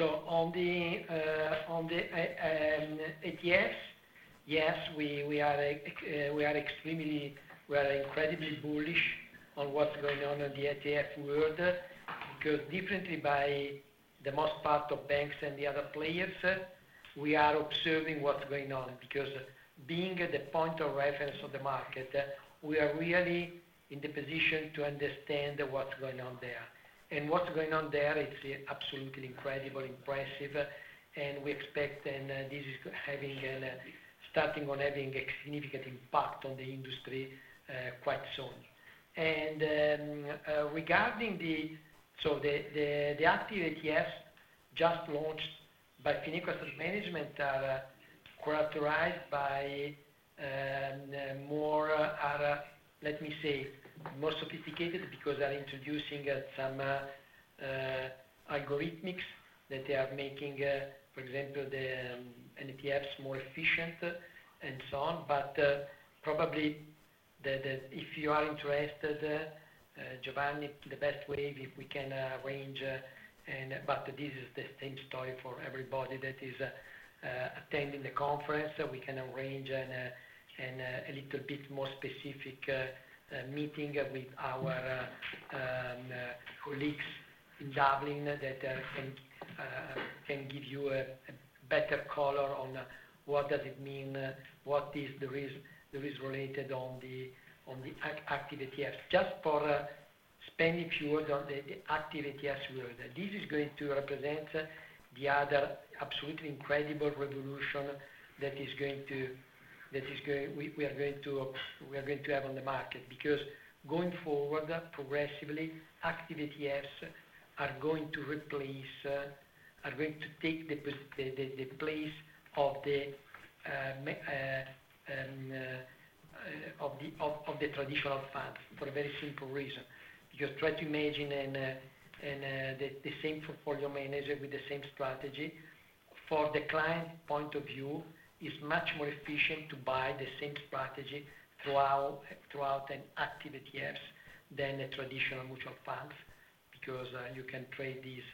On the ETFs, yes, we are extremely, we are incredibly bullish on what's going on in the ETF world because differently by the most part of banks and the other players, we are observing what's going on. Because being at the point of reference of the market, we are really in the position to understand what's going on there. What's going on there, it's absolutely incredible, impressive. We expect this is having a starting on having a significant impact on the industry quite soon. Regarding the, the active ETFs just launched by Fineco Asset Management are characterized by more, let me say, more sophisticated because they are introducing some algorithmics that they are making, for example, the NTFs more efficient and so on. If you are interested, Giovanni, the best way, if we can arrange, but this is the same story for everybody that is attending the conference, we can arrange a little bit more specific meeting with our colleagues in Dublin that can give you a better color on what does it mean, what is the risk related on the active ETFs. Just for spending fewer on the active ATS world, this is going to represent the other absolutely incredible revolution that is going to, that is going we are going to have on the market because going forward, progressively, active ETFs are going to replace, are going to take the place of the traditional funds for a very simple reason. You try to imagine the same portfolio manager with the same strategy. For the client point of view, it is much more efficient to buy the same strategy through an active ETFs than the traditional mutual funds because you can trade these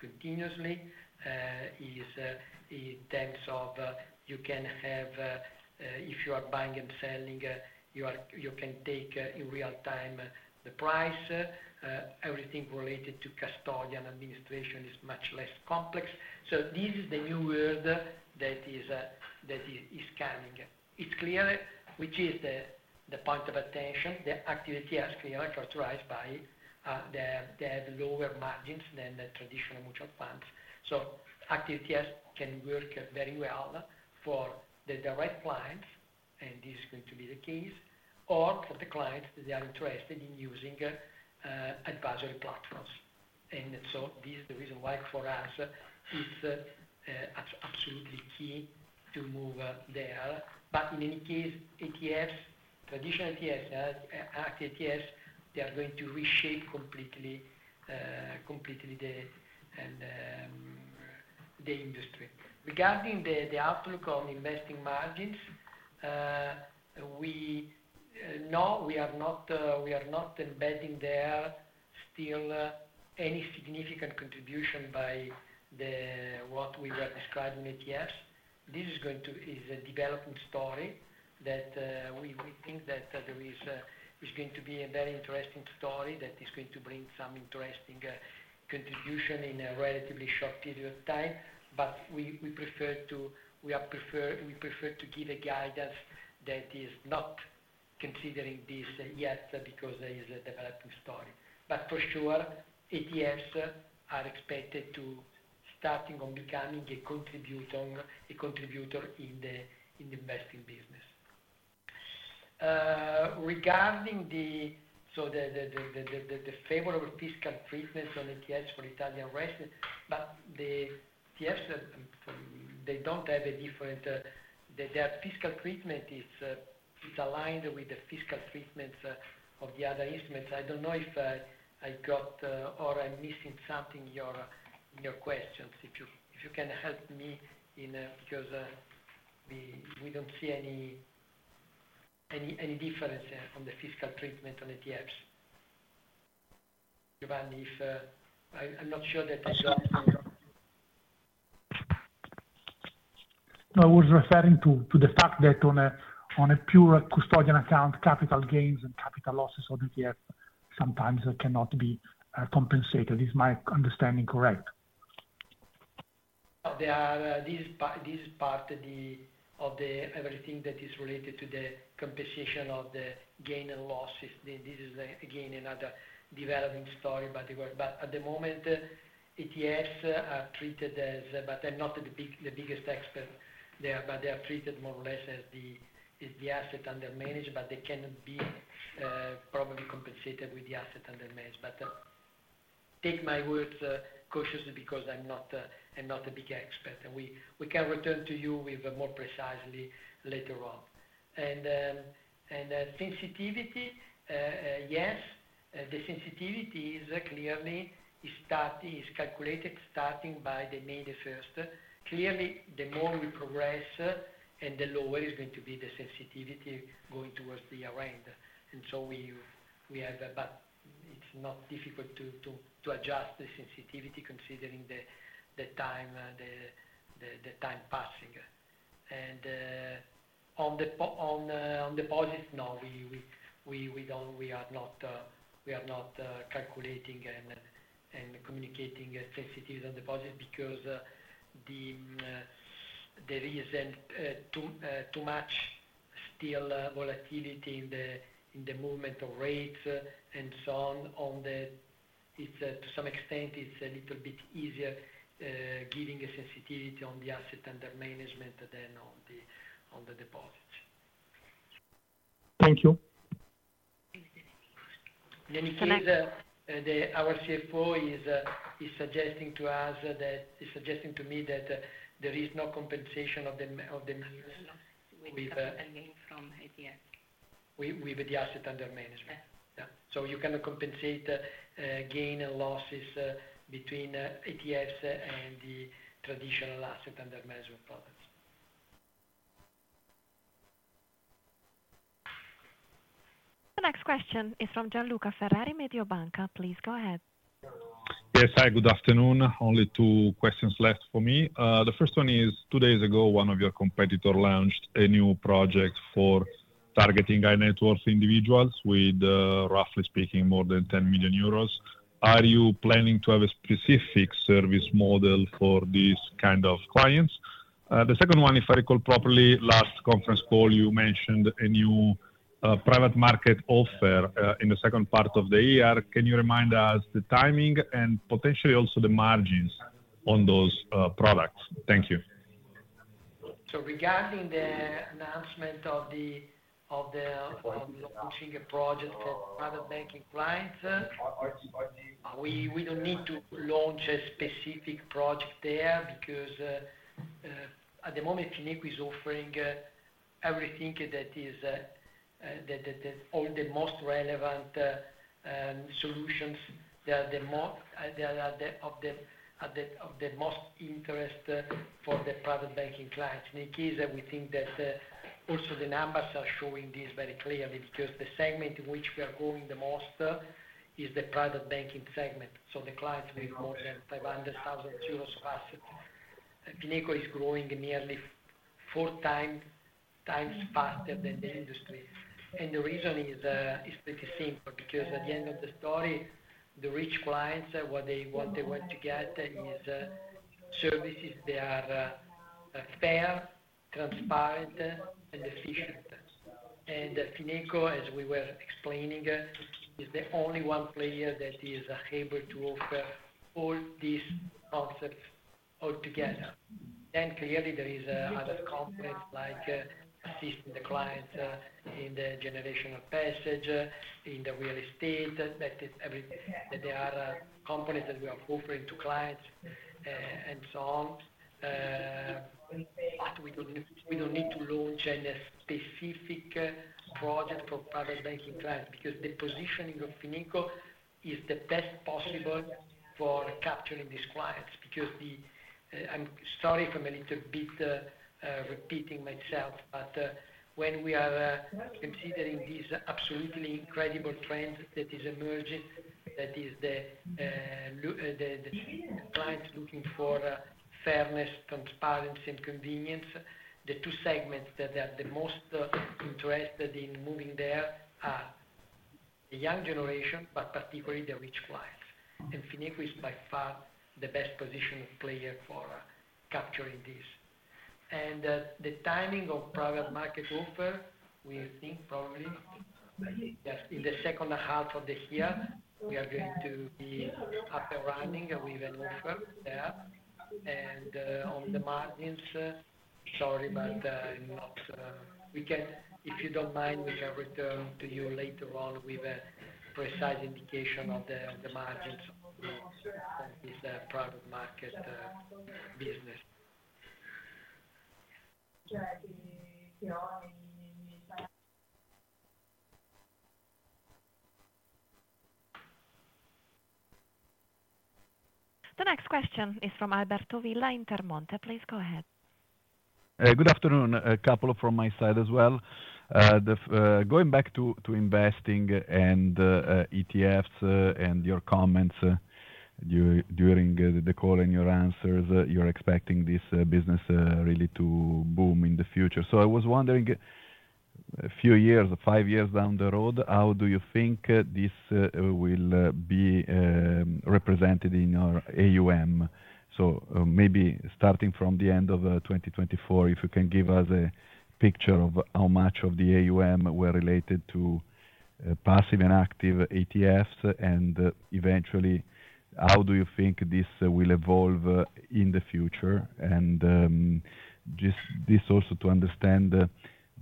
continuously. In terms of, you can have, if you are buying and selling, you can take in real time the price. Everything related to custodian administration is much less complex. This is the new world that is coming. It is clear which is the point of attention. The active ETFs are clearly characterized by having lower margins than the traditional mutual funds. Active ETFs can work very well for the direct clients, and this is going to be the case, or for the clients that are interested in using advisory platforms. This is the reason why for us it is absolutely key to move there. In any case, ETFs, traditional ETFs, active ETFs, they are going to reshape completely the industry. Regarding the outlook on investing margins, we know we are not embedding there still any significant contribution by what we were describing, ETFs. This is going to is a developing story that we think that there is going to be a very interesting story that is going to bring some interesting contribution in a relatively short period of time. We prefer to, we are prefer to give a guidance that is not considering this yet because there is a developing story. For sure, ETFs are expected to starting on becoming a contributor in the investing business. Regarding the favorable fiscal treatment on TS for Italian residents, the TS, they do not have a different, their fiscal treatment is aligned with the fiscal treatments of the other instruments. I don't know if I got or I'm missing something in your questions. If you can help me in because we don't see any difference on the fiscal treatment on ETFs. Giovanni, if I'm not sure that I got you. I was referring to the fact that on a pure custodian account, capital gains and capital losses of the year sometimes cannot be compensated. Is my understanding correct? This is part of the everything that is related to the compensation of the gain and losses. This is again another developing story. At the moment, ETFs are treated as, but I'm not the biggest expert there, but they are treated more or less as the asset under management, but they cannot be probably compensated with the asset under management. Take my words cautiously because I'm not a big expert. We can return to you with more precisely later on. Sensitivity, yes, the sensitivity is clearly calculated starting by May 1. Clearly, the more we progress, the lower is going to be the sensitivity going towards the year-end. We have, but it is not difficult to adjust the sensitivity considering the time passing. On deposits, no, we are not calculating and communicating sensitivity on deposits because the reason, too much still volatility in the movement of rates and so on. To some extent, it is a little bit easier giving a sensitivity on the asset under management than on the deposits. Thank you. In any case, our CFO is suggesting to us, is suggesting to me that there is no compensation of the management. We have got a gain from ETF. With the asset under management. Yeah. You cannot compensate gain and losses between ETFs and the traditional asset under management products. The next question is from Gianluca Ferrari, MedioBanca. Please go ahead. Yes, hi, good afternoon. Only two questions left for me. The first one is, two days ago, one of your competitors launched a new project for targeting high net worth individuals with, roughly speaking, more than 10 million euros. Are you planning to have a specific service model for this kind of clients? The second one, if I recall properly, last conference call, you mentioned a new private market offer in the second part of the year. Can you remind us the timing and potentially also the margins on those products? Thank you. Regarding the announcement of the launching a project for private banking clients, we do not need to launch a specific project there because at the moment, Fineco is offering everything that is all the most relevant solutions that are of the most interest for the private banking clients. In any case, we think that also the numbers are showing this very clearly because the segment in which we are growing the most is the private banking segment. The clients with more than 500,000 euros of assets. FINECO is growing nearly four times faster than the industry. The reason is pretty simple because at the end of the story, the rich clients, what they want to get is services that are fair, transparent, and efficient. Fineco, as we were explaining, is the only one player that is able to offer all these concepts altogether. Clearly, there are other components like assisting the clients in the generation of passage in real estate, that there are components that we are offering to clients and so on. We do not need to launch a specific project for private banking clients because the positioning of Fineco is the best possible for capturing these clients. I am sorry if I am a little bit repeating myself, but when we are considering these absolutely incredible trends that are emerging, that is the clients looking for fairness, transparency, and convenience, the two segments that are the most interested in moving there are the young generation, but particularly the rich clients. Fineco is by far the best positioned player for capturing this. The timing of private market offer, we think probably in the second half of the year, we are going to be up and running with an offer there. On the margins, sorry, but if you don't mind, we can return to you later on with a precise indication of the margins of this private market business. The next question is from Alberto Villa in Intermonte. Please go ahead. Good afternoon. A couple from my side as well. Going back to investing and ETFs and your comments during the call and your answers, you're expecting this business really to boom in the future. I was wondering, a few years, five years down the road, how do you think this will be represented in your AUM? Maybe starting from the end of 2024, if you can give us a picture of how much of the AUM were related to passive and active ETFs and eventually, how do you think this will evolve in the future? Just this also to understand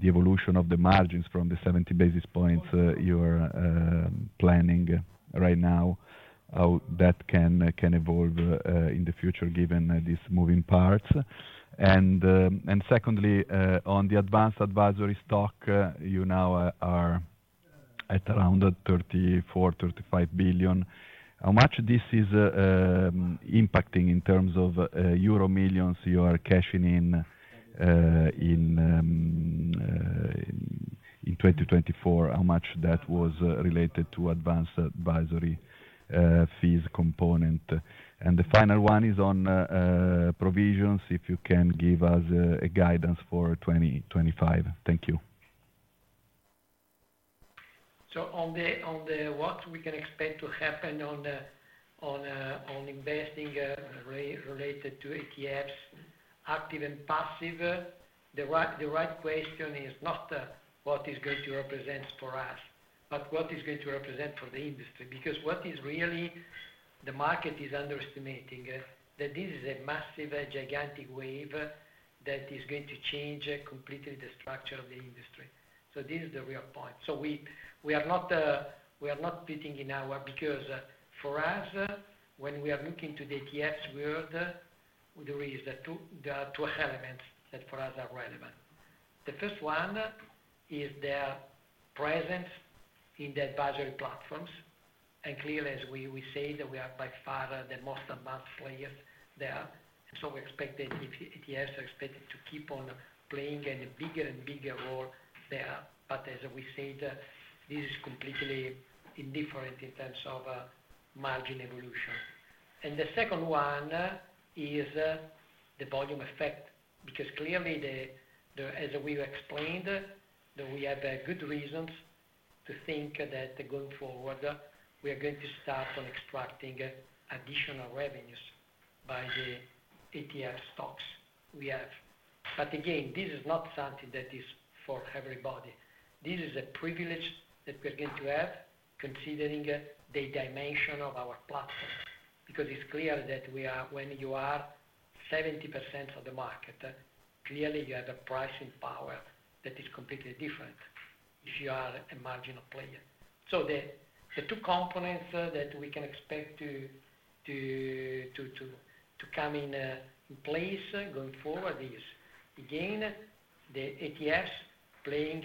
the evolution of the margins from the 70 basis points you are planning right now, how that can evolve in the future given these moving parts. Secondly, on the advanced advisory stock, you now are at around 34 billion-35 billion. How much this is impacting in terms of euro millions you are cashing in in 2024? How much that was related to advanced advisory fees component? The final one is on provisions, if you can give us a guidance for 2025. Thank you. On what we can expect to happen on investing related to ETFs, active and passive, the right question is not what is going to represent for us, but what is going to represent for the industry. Because what is really the market is underestimating is that this is a massive, gigantic wave that is going to change completely the structure of the industry. This is the real point. We are not fitting in our because for us, when we are looking to the ETFs world, there are two elements that for us are relevant. The first one is their presence in the advisory platforms. Clearly, as we say, we are by far the most advanced players there. We expect that ETFs are expected to keep on playing a bigger and bigger role there. As we said, this is completely indifferent in terms of margin evolution. The second one is the volume effect. Because clearly, as we explained, we have good reasons to think that going forward, we are going to start on extracting additional revenues by the ETF stocks we have. Again, this is not something that is for everybody. This is a privilege that we're going to have considering the dimension of our platform. It is clear that when you are 70% of the market, you have a pricing power that is completely different if you are a marginal player. The two components that we can expect to come in place going forward are, again, the ETFs playing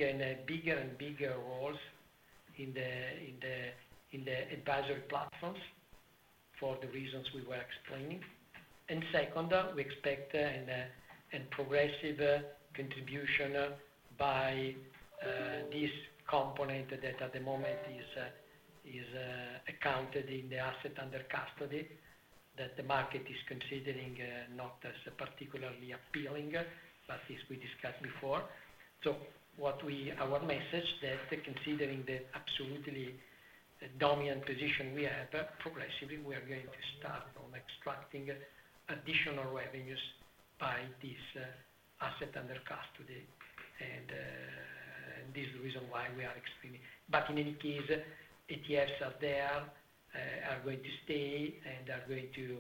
bigger and bigger roles in the advisory platforms for the reasons we were explaining. Second, we expect a progressive contribution by this component that at the moment is accounted in the asset under custody that the market is considering not as particularly appealing, but as we discussed before. Our message is that considering the absolutely dominant position we have, progressively, we are going to start on extracting additional revenues by this asset under custody. This is the reason why we are extremely, but in any case, ETFs are there, are going to stay, and are going to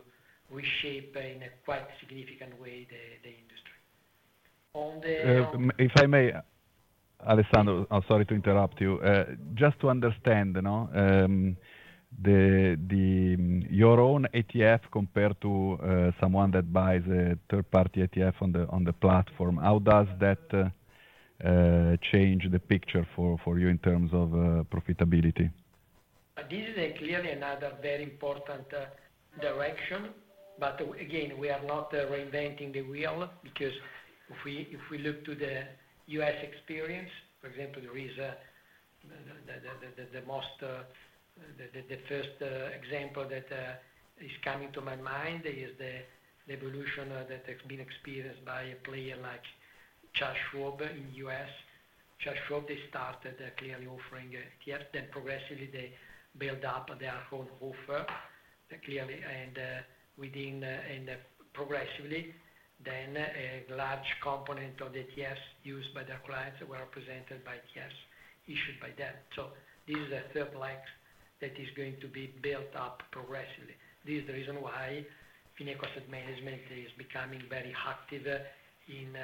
reshape in a quite significant way the industry. If I may, Alessandro, I'm sorry to interrupt you. Just to understand, your own ETF compared to someone that buys a third-party ETF on the platform, how does that change the picture for you in terms of profitability? This is clearly another very important direction. Again, we are not reinventing the wheel because if we look to the U.S. experience, for example, the first example that is coming to my mind is the evolution that has been experienced by a player like Charles Schwab in the U.S. Charles Schwab, they started clearly offering ETFs, then progressively they built up their own offer clearly and progressively. A large component of the ETFs used by their clients were represented by ETFs issued by them. This is a third leg that is going to be built up progressively. This is the reason why Fineco Asset Management is becoming very active in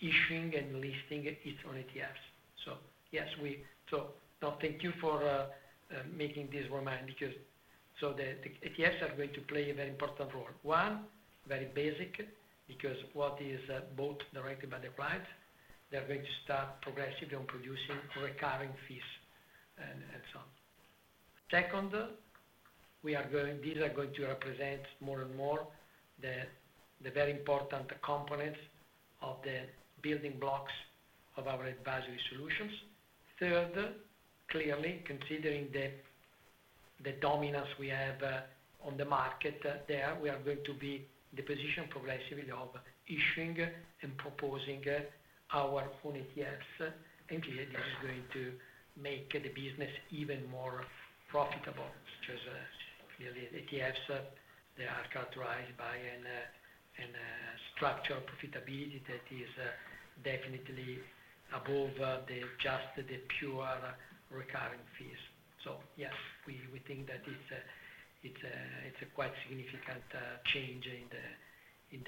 issuing and listing its own ETFs. Yes, thank you for making this remind because the ETFs are going to play a very important role. One, very basic, because what is bought directly by the clients, they're going to start progressively on producing recurring fees and so on. Second, these are going to represent more and more the very important components of the building blocks of our advisory solutions. Third, clearly, considering the dominance we have on the market there, we are going to be in the position progressively of issuing and proposing our own ETFs. Clearly, this is going to make the business even more profitable, such as ETFs that are characterized by a structural profitability that is definitely above just the pure recurring fees. Yes, we think that it's a quite significant change in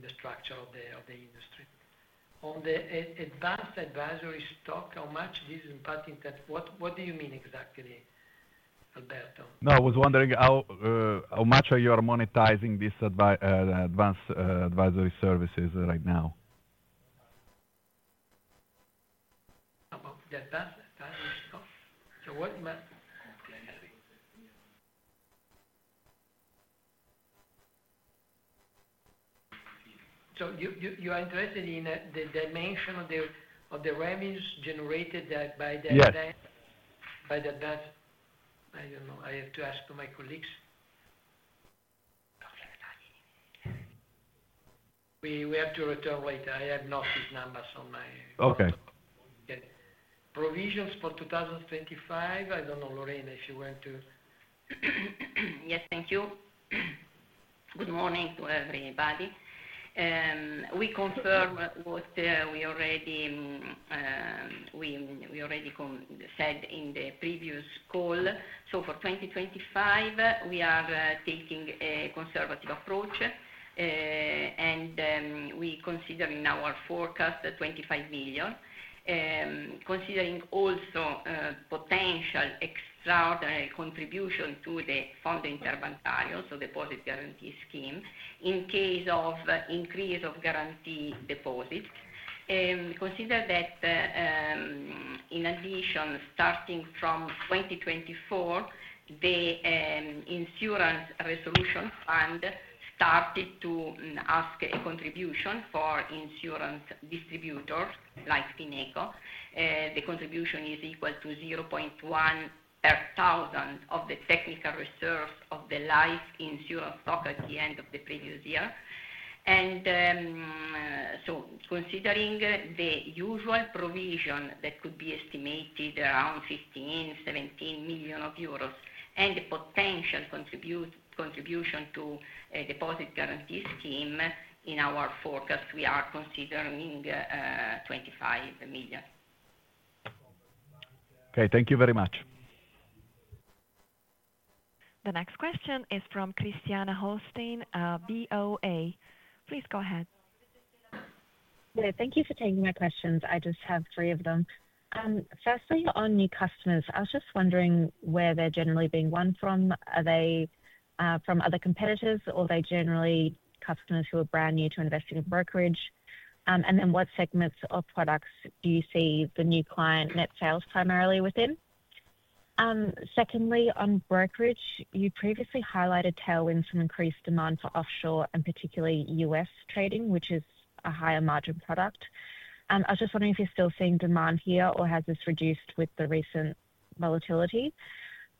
the structure of the industry. On the advanced advisory stock, how much this is impacting? What do you mean exactly, Alberto? No, I was wondering how much are you monetizing these advanced advisory services right now? You are interested in the dimension of the revenues generated by the advanced? I do not know. I have to ask my colleagues. We have to return later. I do not have these numbers on my. Okay. Provisions for 2025, I do not know, Lorraine, if you want to. Yes, thank you. Good morning to everybody. We confirm what we already said in the previous call. For 2025, we are taking a conservative approach, and we consider in our forecast 25 million, considering also potential extraordinary contribution to the Fondo Interbancario, so deposit guarantee scheme, in case of increase of guarantee deposits. Consider that in addition, starting from 2024, the insurance resolution fund started to ask a contribution for insurance distributors like Fineco. The contribution is equal to 0.1 per thousand of the technical reserves of the life insurance stock at the end of the previous year. Considering the usual provision that could be estimated around 15 million-17 million euros and the potential contribution to a deposit guarantee scheme in our forecast, we are considering 25 million. Okay, thank you very much. The next question is from Cristiana Holstein, BOA. Please go ahead. Thank you for taking my questions. I just have three of them. Firstly, on new customers, I was just wondering where they're generally being won from. Are they from other competitors, or are they generally customers who are brand new to investing in brokerage? And then what segments of products do you see the new client net sales primarily within? Secondly, on brokerage, you previously highlighted tailwinds from increased demand for offshore and particularly U.S. trading, which is a higher margin product. I was just wondering if you're still seeing demand here, or has this reduced with the recent volatility?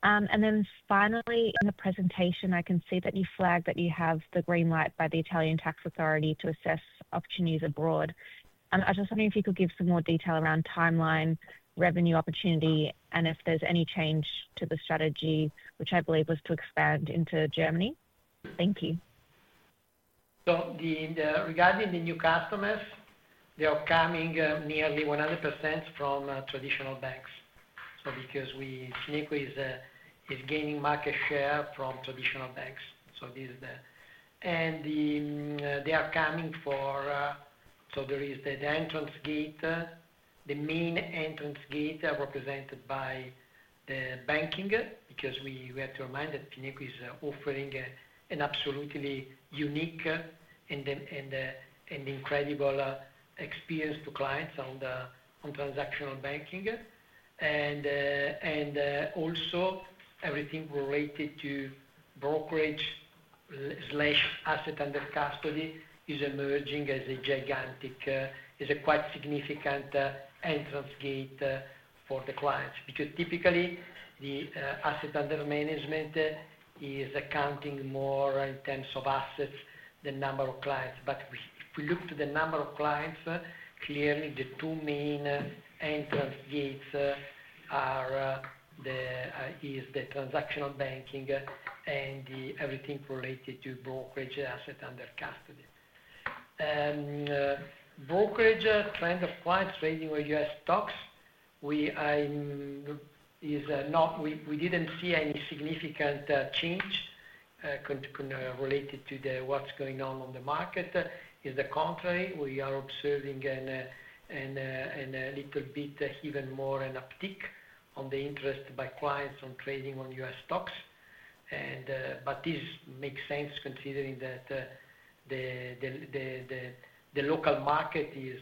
Finally, in the presentation, I can see that you flagged that you have the green light by the Italian tax authority to assess opportunities abroad. I was just wondering if you could give some more detail around timeline, revenue opportunity, and if there's any change to the strategy, which I believe was to expand into Germany. Thank you. Regarding the new customers, they are coming nearly 100% from traditional banks because FINECO is gaining market share from traditional banks. They are coming for, so there is the entrance gate, the main entrance gate represented by the banking, because we have to remind that FINECO is offering an absolutely unique and incredible experience to clients on transactional banking. Also, everything related to brokerage/asset under custody is emerging as a quite significant entrance gate for the clients. Because typically, the asset under management is accounting more in terms of assets than number of clients. If we look to the number of clients, clearly, the two main entrance gates are the transactional banking and everything related to brokerage/asset under custody. Brokerage trend of clients trading with U.S. stocks, we did not see any significant change related to what is going on on the market. In the contrary, we are observing a little bit even more an uptick on the interest by clients on trading on U.S. stocks. This makes sense considering that the local market is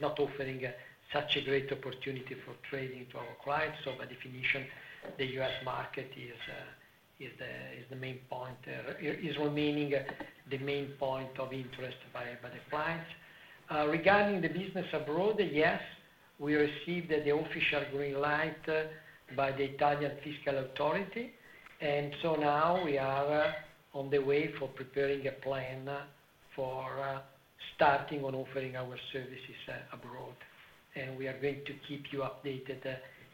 not offering such a great opportunity for trading to our clients. By definition, the U.S. market is the main point, is remaining the main point of interest by the clients. Regarding the business abroad, yes, we received the official green light by the Italian fiscal authority. We are on the way for preparing a plan for starting on offering our services abroad. We are going to keep you updated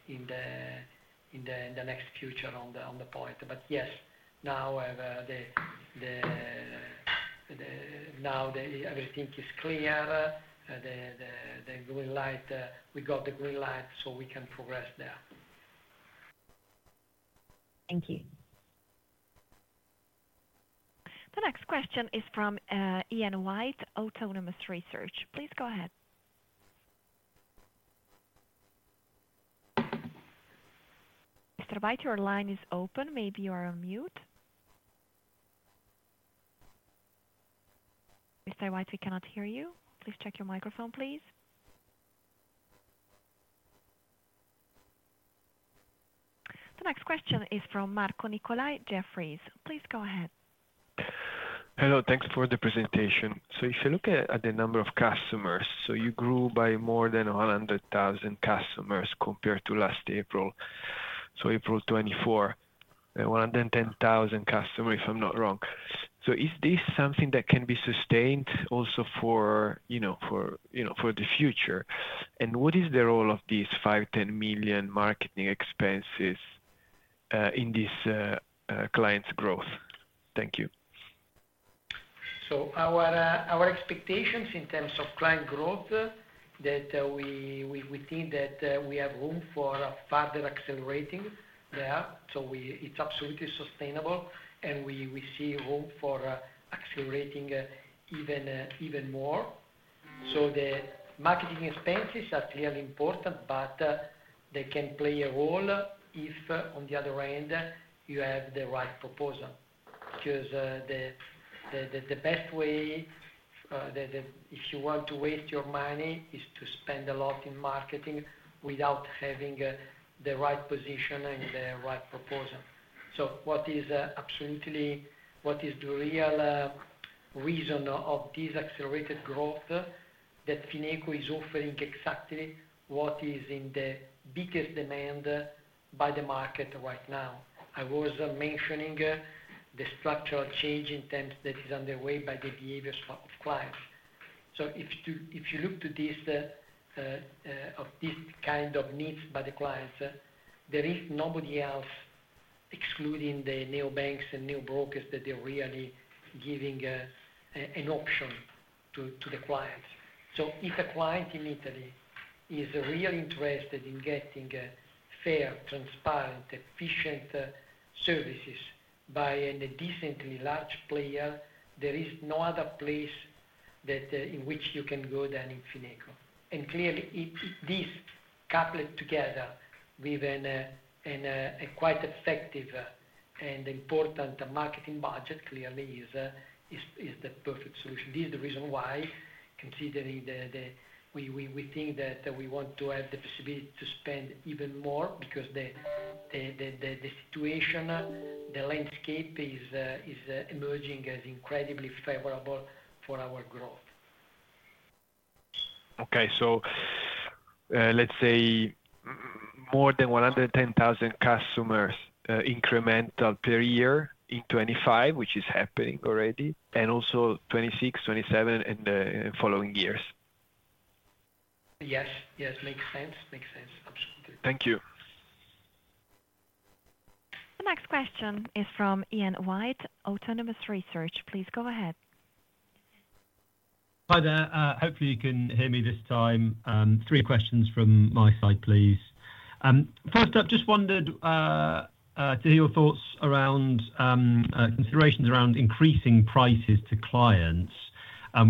in the next future on the point. Yes, now everything is clear. We got the green light, so we can progress there. Thank you. The next question is from Ian White, Autonomous Research. Please go ahead. Mr. White, your line is open. Maybe you are on mute. Mr. White, we cannot hear you. Please check your microphone, please. The next question is from Marco Nicolao, Jefferies. Please go ahead. Hello, thanks for the presentation. If you look at the number of customers, you grew by more than 100,000 customers compared to last April, so April 2024, 110,000 customers, if I'm not wrong. Is this something that can be sustained also for the future? What is the role of these 5 million-10 million marketing expenses in this client's growth? Thank you. Our expectations in terms of client growth are that we think we have room for further accelerating there. It is absolutely sustainable, and we see room for accelerating even more. The marketing expenses are clearly important, but they can play a role if, on the other end, you have the right proposal. The best way, if you want to waste your money, is to spend a lot in marketing without having the right position and the right proposal. What is the real reason for this accelerated growth? Fineco is offering exactly what is in the biggest demand by the market right now. I was mentioning the structural change that is underway by the behaviors of clients. If you look to this kind of needs by the clients, there is nobody else, excluding the neobanks and neobrokers, that is really giving an option to the clients. If a client in Italy is really interested in getting fair, transparent, efficient services by a decently large player, there is no other place in which you can go than in Fineco. Clearly, this coupled together with a quite effective and important marketing budget is the perfect solution. This is the reason why, considering that we think that we want to have the possibility to spend even more because the situation, the landscape is emerging as incredibly favorable for our growth. Let's say more than 110,000 customers incremental per year in 2025, which is happening already, and also 2026, 2027, and the following years. Yes, yes, makes sense. Makes sense. Absolutely. Thank you. The next question is from Ian White, Autonomous Research. Please go ahead. Hi, there. Hopefully, you can hear me this time. Three questions from my side, please. First up, just wanted to hear your thoughts around considerations around increasing prices to clients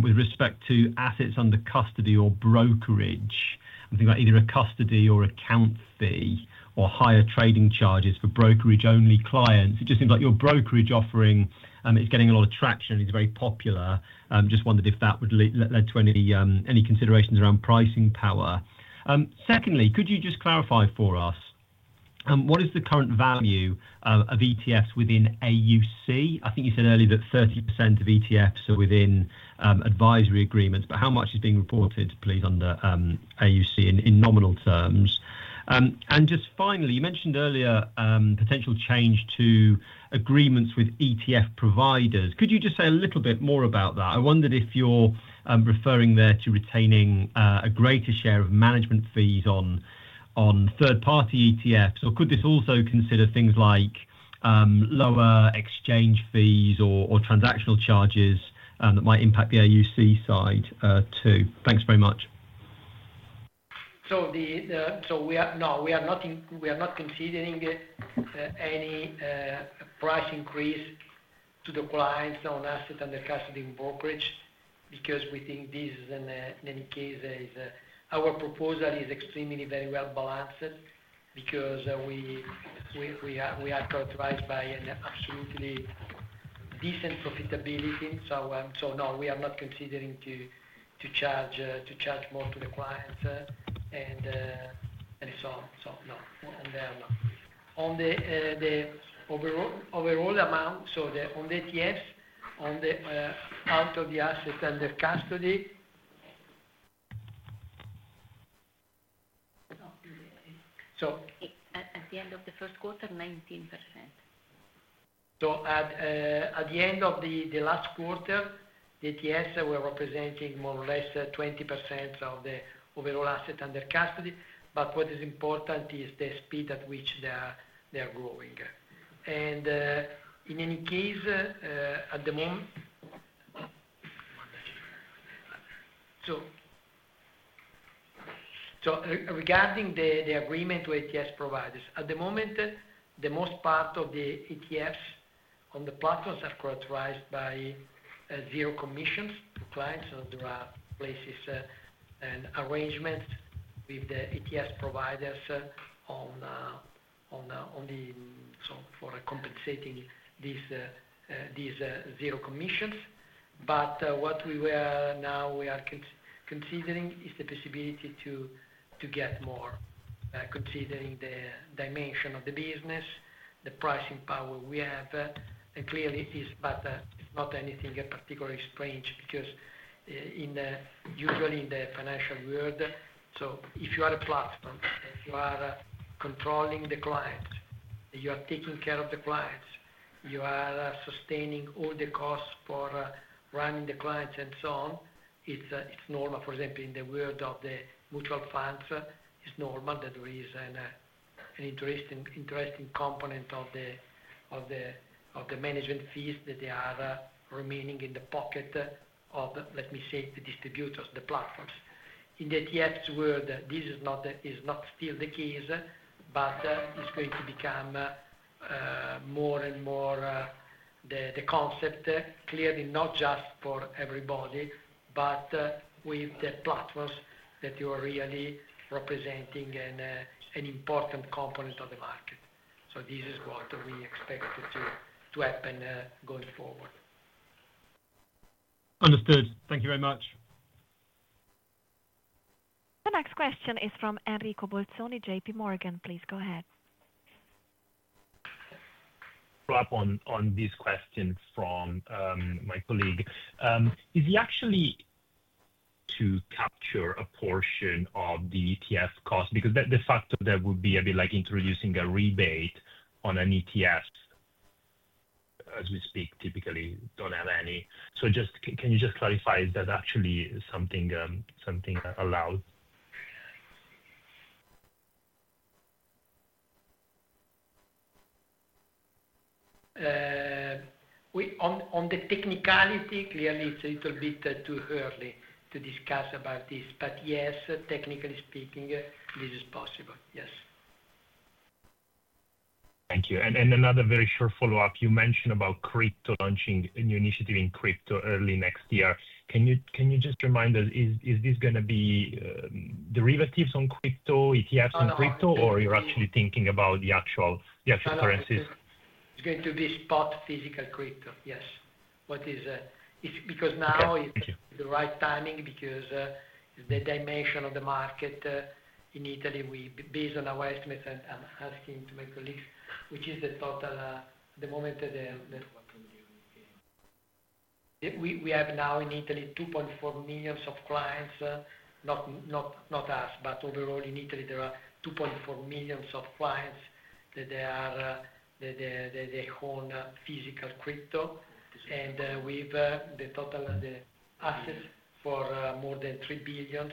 with respect to assets under custody or brokerage. I think about either a custody or account fee or higher trading charges for brokerage-only clients. It just seems like your brokerage offering is getting a lot of traction and is very popular. Just wondered if that would lead to any considerations around pricing power. Secondly, could you just clarify for us, what is the current value of ETFs within AUC? I think you said earlier that 30% of ETFs are within advisory agreements, but how much is being reported, please, under AUC in nominal terms? And just finally, you mentioned earlier potential change to agreements with ETF providers. Could you just say a little bit more about that? I wondered if you're referring there to retaining a greater share of management fees on third-party ETFs, or could this also consider things like lower exchange fees or transactional charges that might impact the AUC side too? Thanks very much. No, we are not considering any price increase to the clients on assets under custody and brokerage because we think this is, in any case, our proposal is extremely very well balanced because we are characterized by an absolutely decent profitability. No, we are not considering to charge more to the clients. No, on there no. On the overall amount, on the ETFs, on the out of the assets under custody. At the end of the first quarter, 19%. At the end of the last quarter, the ETFs were representing more or less 20% of the overall assets under custody. What is important is the speed at which they are growing. In any case, at the moment, regarding the agreement with ETF providers, the most part of the ETFs on the platforms are characterized by zero commissions for clients. There are places and arrangements with the ETF providers for compensating these zero commissions. What we now are considering is the possibility to get more, considering the dimension of the business, the pricing power we have. Clearly. It is not anything particularly strange because usually in the financial world, if you are a platform, if you are controlling the clients, you are taking care of the clients, you are sustaining all the costs for running the clients, and so on, it is normal. For example, in the world of the mutual funds, it is normal that there is an interesting component of the management fees that they are remaining in the pocket of, let me say, the distributors, the platforms. In the ETFs world, this is not still the case, but it is going to become more and more the concept, clearly not just for everybody, but with the platforms that you are really representing an important component of the market. This is what we expect to happen going forward. Understood. Thank you very much. The next question is from Enrico Bolzoni, JPMorgan. Please go ahead. Follow up on this question from my colleague. Is he actually to capture a portion of the ETF cost? Because the fact that there would be a bit like introducing a rebate on an ETF, as we speak, typically do not have any. Can you just clarify? Is that actually something allowed? On the technicality, clearly, it is a little bit too early to discuss about this. Yes, technically speaking, this is possible. Yes. Thank you. Another very short follow-up. You mentioned about crypto launching a new initiative in crypto early next year. Can you just remind us, is this going to be derivatives on crypto, ETFs on crypto, or you are actually thinking about the actual currencies? It is going to be spot physical crypto. Yes. Because now is the right timing because the dimension of the market in Italy, based on our estimates, I'm asking to my colleagues, which is the total at the moment, we have now in Italy 2.4 million clients. Not us, but overall in Italy, there are 2.4 million clients that they own physical crypto. And with the total assets for more than 3 billion.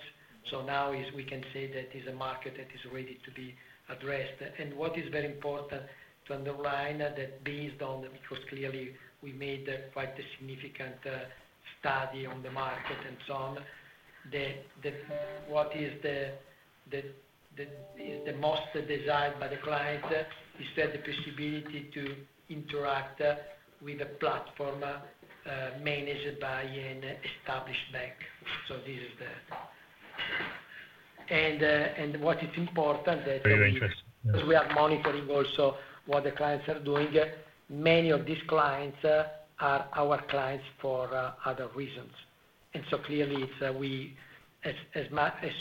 Now we can say that it's a market that is ready to be addressed. What is very important to underline that based on, because clearly we made quite a significant study on the market and so on, what is the most desired by the client is the possibility to interact with a platform managed by an established bank. This is the. What is important that we because we are monitoring also what the clients are doing. Many of these clients are our clients for other reasons. Clearly, as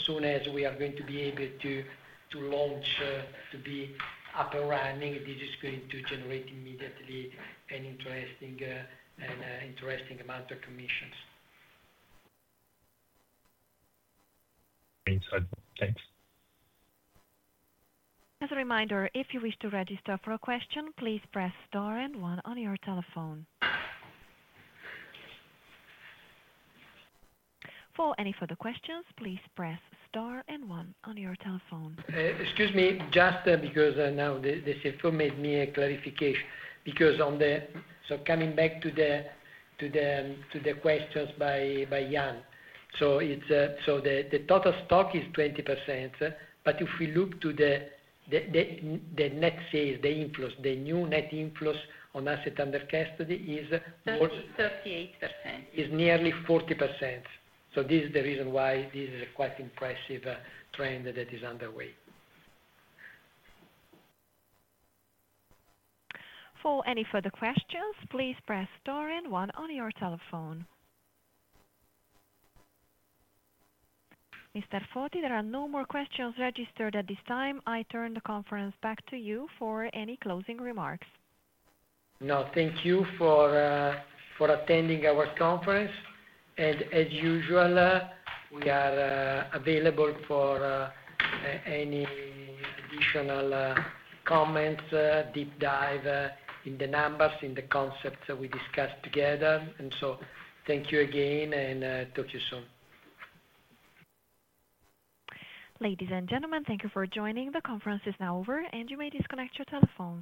soon as we are going to be able to launch, to be up and running, this is going to generate immediately an interesting amount of commissions. Insight. Thanks. As a reminder, if you wish to register for a question, please press star and one on your telephone. For any further questions, please press star and one on your telephone. Excuse me, just because now the Chief made me a clarification. Because on the, coming back to the questions by Ian. The total stock is 20%, but if we look to the net sales, the inflows, the new net inflows on assets under custody is more than 38%. It is nearly 40%. This is the reason why this is a quite impressive trend that is underway. For any further questions, please press star and one on your telephone. Mr. Foti, there are no more questions registered at this time. I turn the conference back to you for any closing remarks. No, thank you for attending our conference. As usual, we are available for any additional comments, deep dive in the numbers, in the concepts that we discussed together. Thank you again, and talk to you soon. Ladies and gentlemen, thank you for joining. The conference is now over, and you may disconnect your telephones.